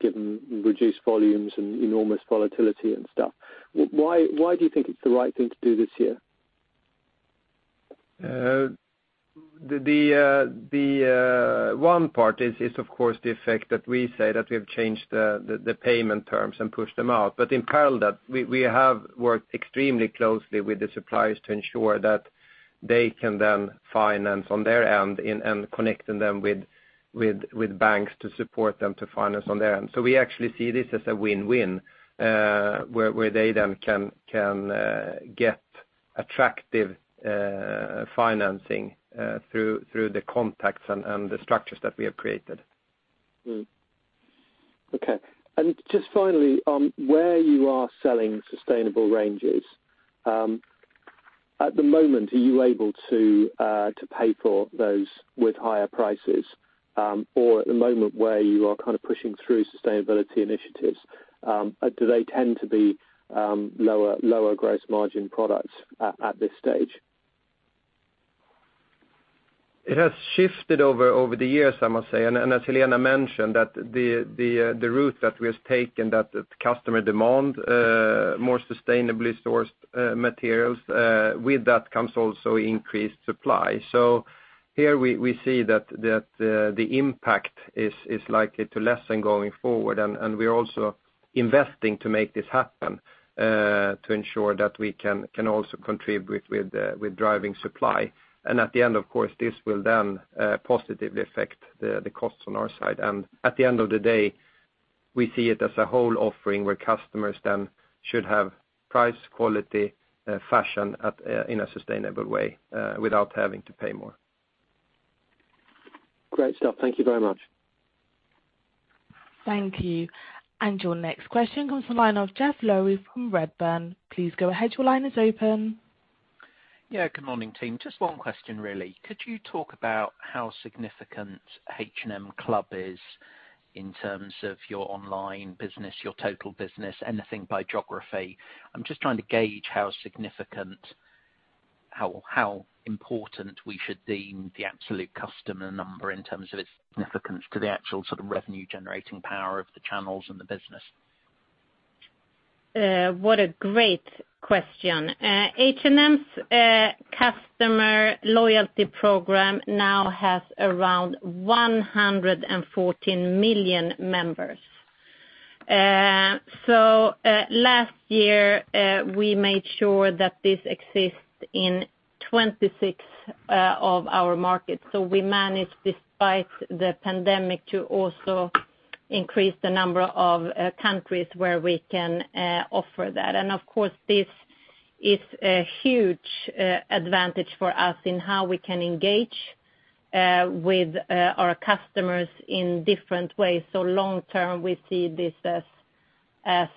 Speaker 16: given reduced volumes and enormous volatility and stuff. Why do you think it's the right thing to do this year?
Speaker 4: One part is, of course, the effect that we say that we have changed the payment terms and pushed them out. In parallel, we have worked extremely closely with the suppliers to ensure that they can then finance on their end and connecting them with banks to support them to finance on their end. We actually see this as a win-win, where they then can get attractive financing through the contacts and the structures that we have created.
Speaker 16: Okay. Just finally, where you are selling sustainable ranges, at the moment, are you able to pay for those with higher prices? At the moment where you are kind of pushing through sustainability initiatives, do they tend to be lower gross margin products at this stage?
Speaker 4: It has shifted over the years, I must say, and as Helena mentioned, that the route that we have taken, that customer demand, more sustainably sourced materials, with that comes also increased supply. Here we see that the impact is likely to lessen going forward, and we are also investing to make this happen, to ensure that we can also contribute with driving supply. At the end, of course, this will then positively affect the costs on our side. At the end of the day, we see it as a whole offering where customers then should have price, quality, fashion in a sustainable way without having to pay more.
Speaker 16: Great stuff. Thank you very much.
Speaker 1: Thank you. Your next question comes from the line of Geoff Lowery from Redburn. Please go ahead. Your line is open.
Speaker 17: Good morning, team. Just one question, really. Could you talk about how significant H&M Club is in terms of your online business, your total business, anything by geography? I'm just trying to gauge how important we should deem the absolute customer number in terms of its significance to the actual revenue-generating power of the channels and the business?
Speaker 3: What a great question. H&M's customer loyalty program now has around 114 million members. Last year, we made sure that this exists in 26 of our markets. We managed, despite the pandemic, to also increase the number of countries where we can offer that. Of course, this is a huge advantage for us in how we can engage with our customers in different ways. Long term, we see this as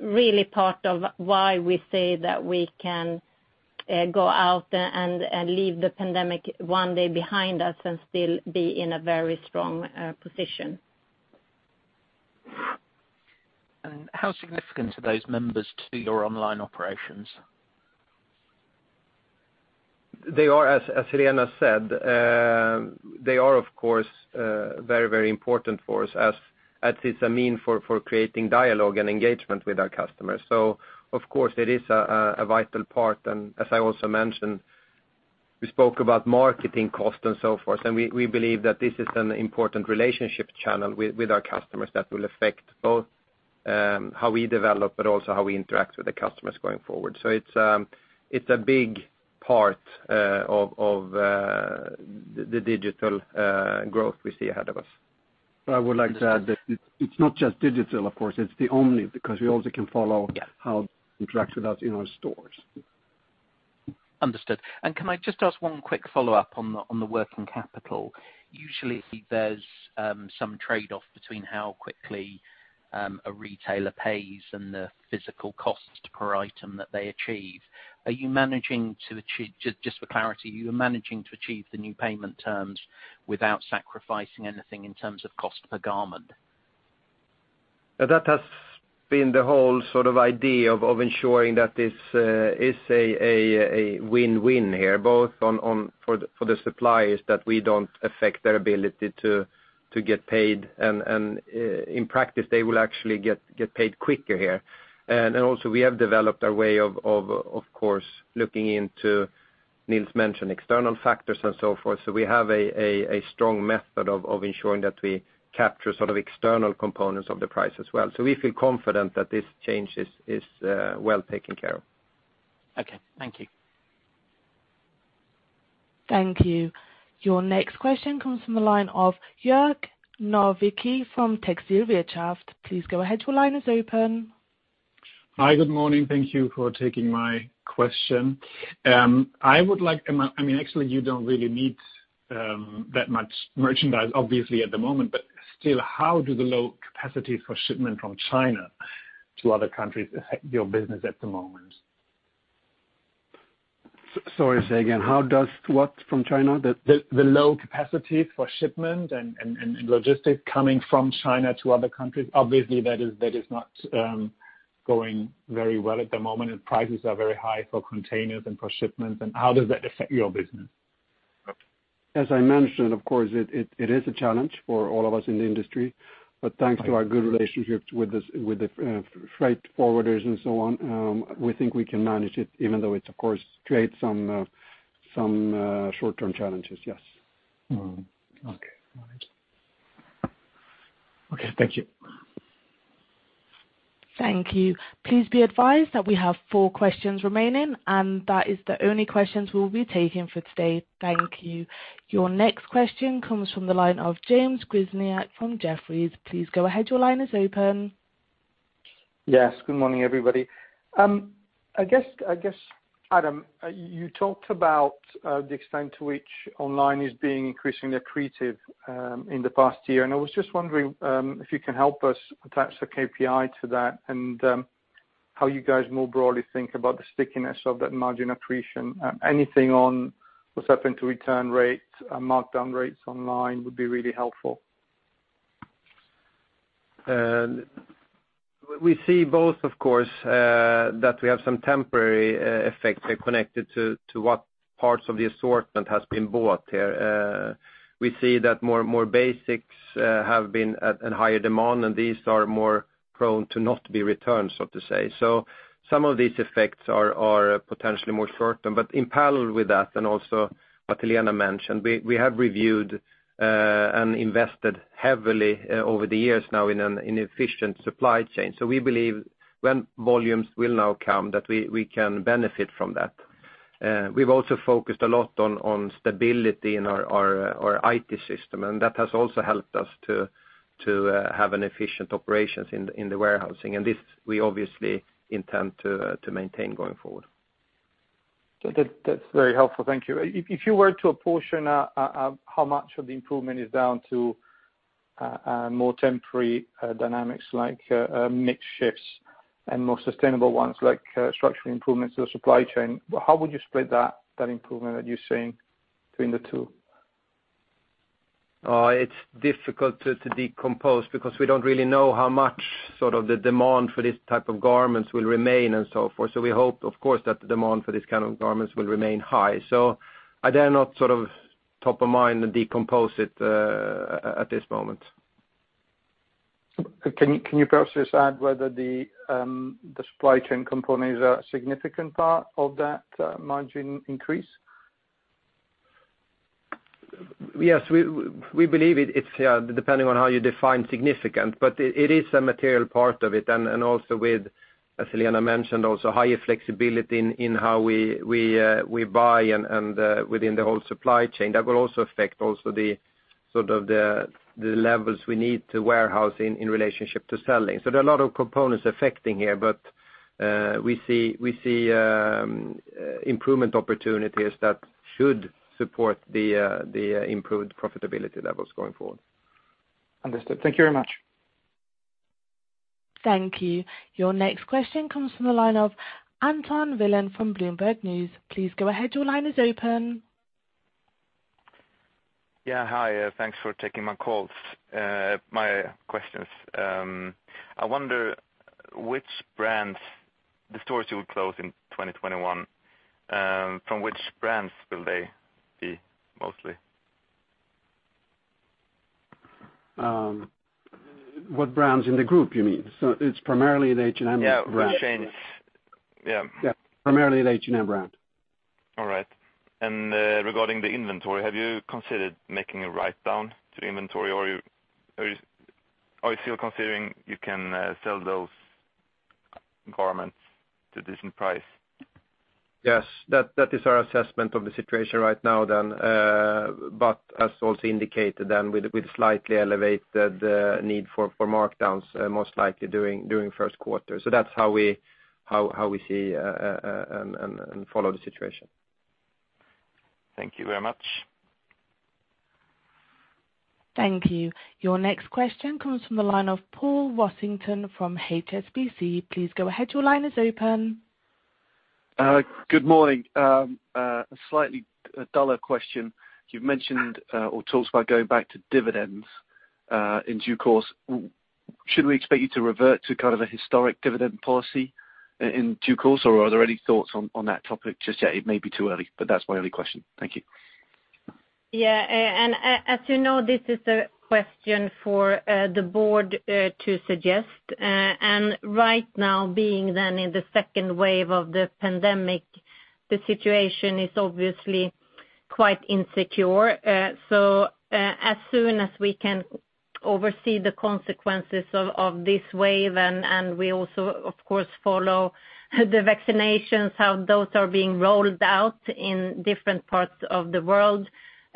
Speaker 3: really part of why we say that we can go out and leave the pandemic one day behind us and still be in a very strong position.
Speaker 17: How significant are those members to your online operations?
Speaker 4: They are, as Helena said, they are, of course, very important for us as it's a means for creating dialogue and engagement with our customers. Of course, it is a vital part, and as I also mentioned, we spoke about marketing cost and so forth, and we believe that this is an important relationship channel with our customers that will affect both how we develop, but also how we interact with the customers going forward. It's a big part of the digital growth we see ahead of us.
Speaker 2: I would like to add that it's not just digital, of course. It's the omni, because we also can follow how they interact with us in our stores.
Speaker 17: Understood. Can I just ask one quick follow-up on the working capital? Usually, there's some trade-off between how quickly a retailer pays and the physical cost per item that they achieve. Just for clarity, are you managing to achieve the new payment terms without sacrificing anything in terms of cost per garment?
Speaker 4: That has been the whole idea of ensuring that this is a win-win here, both for the suppliers, that we don't affect their ability to get paid, and in practice, they will actually get paid quicker here. Also we have developed a way of course, looking into, Nils mentioned external factors and so forth. We have a strong method of ensuring that we capture external components of the price as well. We feel confident that this change is well taken care of.
Speaker 17: Okay. Thank you.
Speaker 1: Thank you. Your next question comes from the line of Jörg Nowicki from TextilWirtschaft. Please go ahead, your line is open.
Speaker 18: Hi. Good morning. Thank you for taking my question. You don't really need that much merchandise, obviously, at the moment, but still, how do the low capacities for shipment from China to other countries affect your business at the moment?
Speaker 2: Sorry, say again, how does what from China?
Speaker 18: The low capacities for shipment and logistics coming from China to other countries. Obviously, that is not going very well at the moment, and prices are very high for containers and for shipments. How does that affect your business?
Speaker 2: As I mentioned, of course, it is a challenge for all of us in the industry. Thanks to our good relationships with the freight forwarders and so on, we think we can manage it even though it of course creates some short-term challenges, yes.
Speaker 18: Okay. Got it. Okay. Thank you.
Speaker 1: Thank you. Please be advised that we have four questions remaining, and that is the only questions we'll be taking for today. Thank you. Your next question comes from the line of James Grzinic from Jefferies. Please go ahead. Your line is open.
Speaker 19: Yes. Good morning, everybody. I guess, Adam, you talked about the extent to which online is being increasingly accretive in the past year. I was just wondering if you can help us attach the KPI to that and how you guys more broadly think about the stickiness of that margin accretion. Anything on what's happened to return rates, markdown rates online would be really helpful.
Speaker 4: We see both, of course, that we have some temporary effects connected to what parts of the assortment has been bought here. We see that more basics have been at higher demand, and these are more prone to not be returned, so to say. Some of these effects are potentially more short-term. In parallel with that, and also what Helena mentioned, we have reviewed and invested heavily over the years now in an efficient supply chain. We believe when volumes will now come, that we can benefit from that. We've also focused a lot on stability in our IT system, and that has also helped us to have an efficient operations in the warehousing, and this we obviously intend to maintain going forward.
Speaker 19: That's very helpful. Thank you. If you were to apportion how much of the improvement is down to more temporary dynamics like mix shifts and more sustainable ones like structural improvements to the supply chain, how would you split that improvement that you're seeing between the two?
Speaker 4: It's difficult to decompose because we don't really know how much the demand for this type of garments will remain and so forth. We hope, of course, that the demand for these kind of garments will remain high. I dare not top of mind decompose it at this moment.
Speaker 19: Can you perhaps just add whether the supply chain component is a significant part of that margin increase?
Speaker 4: Yes. We believe it, depending on how you define significant, but it is a material part of it, and also with, as Helena mentioned, also higher flexibility in how we buy and within the whole supply chain. That will also affect the levels we need to warehouse in relationship to selling. There are a lot of components affecting here, but we see improvement opportunities that should support the improved profitability levels going forward.
Speaker 19: Understood. Thank you very much.
Speaker 1: Thank you. Your next question comes from the line of Anton Wilen from Bloomberg News. Please go ahead. Your line is open.
Speaker 20: Yeah. Hi, thanks for taking my calls. My question is, I wonder which brands, the stores you will close in 2021, from which brands will they be mostly?
Speaker 4: What brands in the group, you mean? It's primarily the H&M brand.
Speaker 20: Yeah, which chains? Yeah.
Speaker 4: Yeah. Primarily the H&M brand.
Speaker 20: All right. Regarding the inventory, have you considered making a write-down to inventory, or are you still considering you can sell those garments to a decent price?
Speaker 4: That is our assessment of the situation right now. As also indicated, we slightly elevated the need for markdowns, most likely during first quarter. That's how we see and follow the situation.
Speaker 20: Thank you very much.
Speaker 1: Thank you. Your next question comes from the line of Paul Rossington from HSBC. Please go ahead.
Speaker 21: Good morning. A slightly duller question. You've mentioned, or talked about going back to dividends in due course. Should we expect you to revert to kind of a historic dividend policy in due course, or are there any thoughts on that topic just yet? It may be too early, but that's my only question. Thank you.
Speaker 3: Yeah. As you know, this is a question for the board to suggest. Right now being then in the second wave of the pandemic, the situation is obviously quite insecure. As soon as we can oversee the consequences of this wave, and we also of course follow the vaccinations, how those are being rolled out in different parts of the world,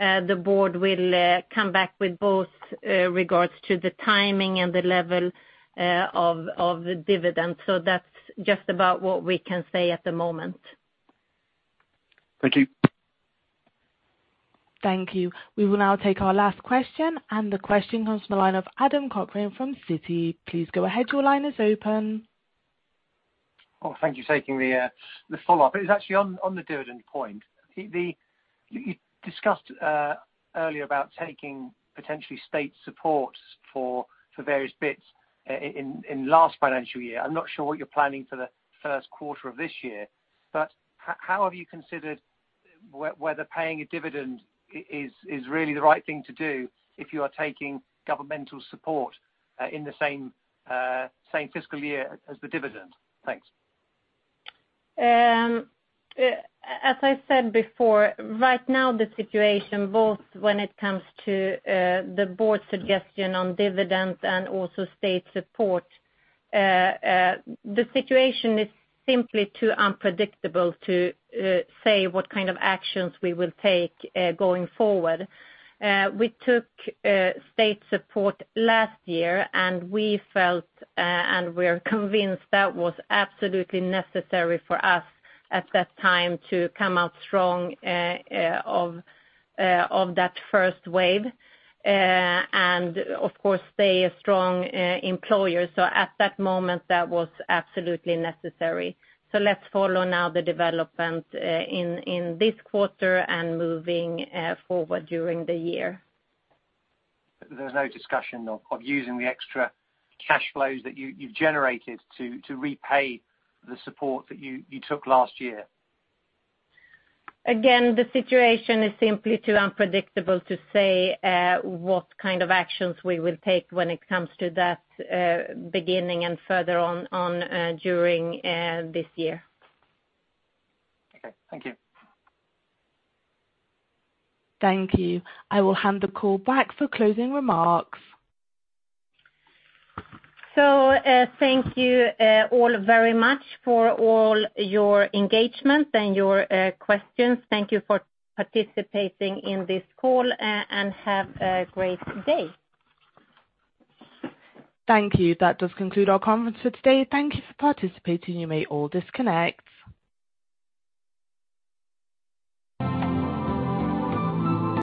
Speaker 3: the board will come back with both regards to the timing and the level of the dividends. That's just about what we can say at the moment.
Speaker 21: Thank you.
Speaker 1: Thank you. We will now take our last question. The question comes from the line of Adam Cochrane from Citi. Please go ahead. Your line is open.
Speaker 10: Oh, thank you for taking the follow-up. It was actually on the dividend point. You discussed earlier about taking potentially state support for various bits in last financial year. I'm not sure what you're planning for the first quarter of this year, how have you considered whether paying a dividend is really the right thing to do if you are taking governmental support in the same fiscal year as the dividend? Thanks.
Speaker 3: As I said before, right now the situation both when it comes to the board suggestion on dividends and also state support, the situation is simply too unpredictable to say what kind of actions we will take going forward. We took state support last year, and we felt, and we're convinced that was absolutely necessary for us at that time to come out strong of that first wave. Of course, stay a strong employer. At that moment, that was absolutely necessary. Let's follow now the development in this quarter and moving forward during the year.
Speaker 10: There's no discussion of using the extra cash flows that you've generated to repay the support that you took last year.
Speaker 3: The situation is simply too unpredictable to say what kind of actions we will take when it comes to that, beginning and further on during this year.
Speaker 10: Okay. Thank you.
Speaker 1: Thank you. I will hand the call back for closing remarks.
Speaker 3: Thank you all very much for all your engagement and your questions. Thank you for participating in this call, and have a great day.
Speaker 1: Thank you. That does conclude our conference for today. Thank you for participating. You may all disconnect.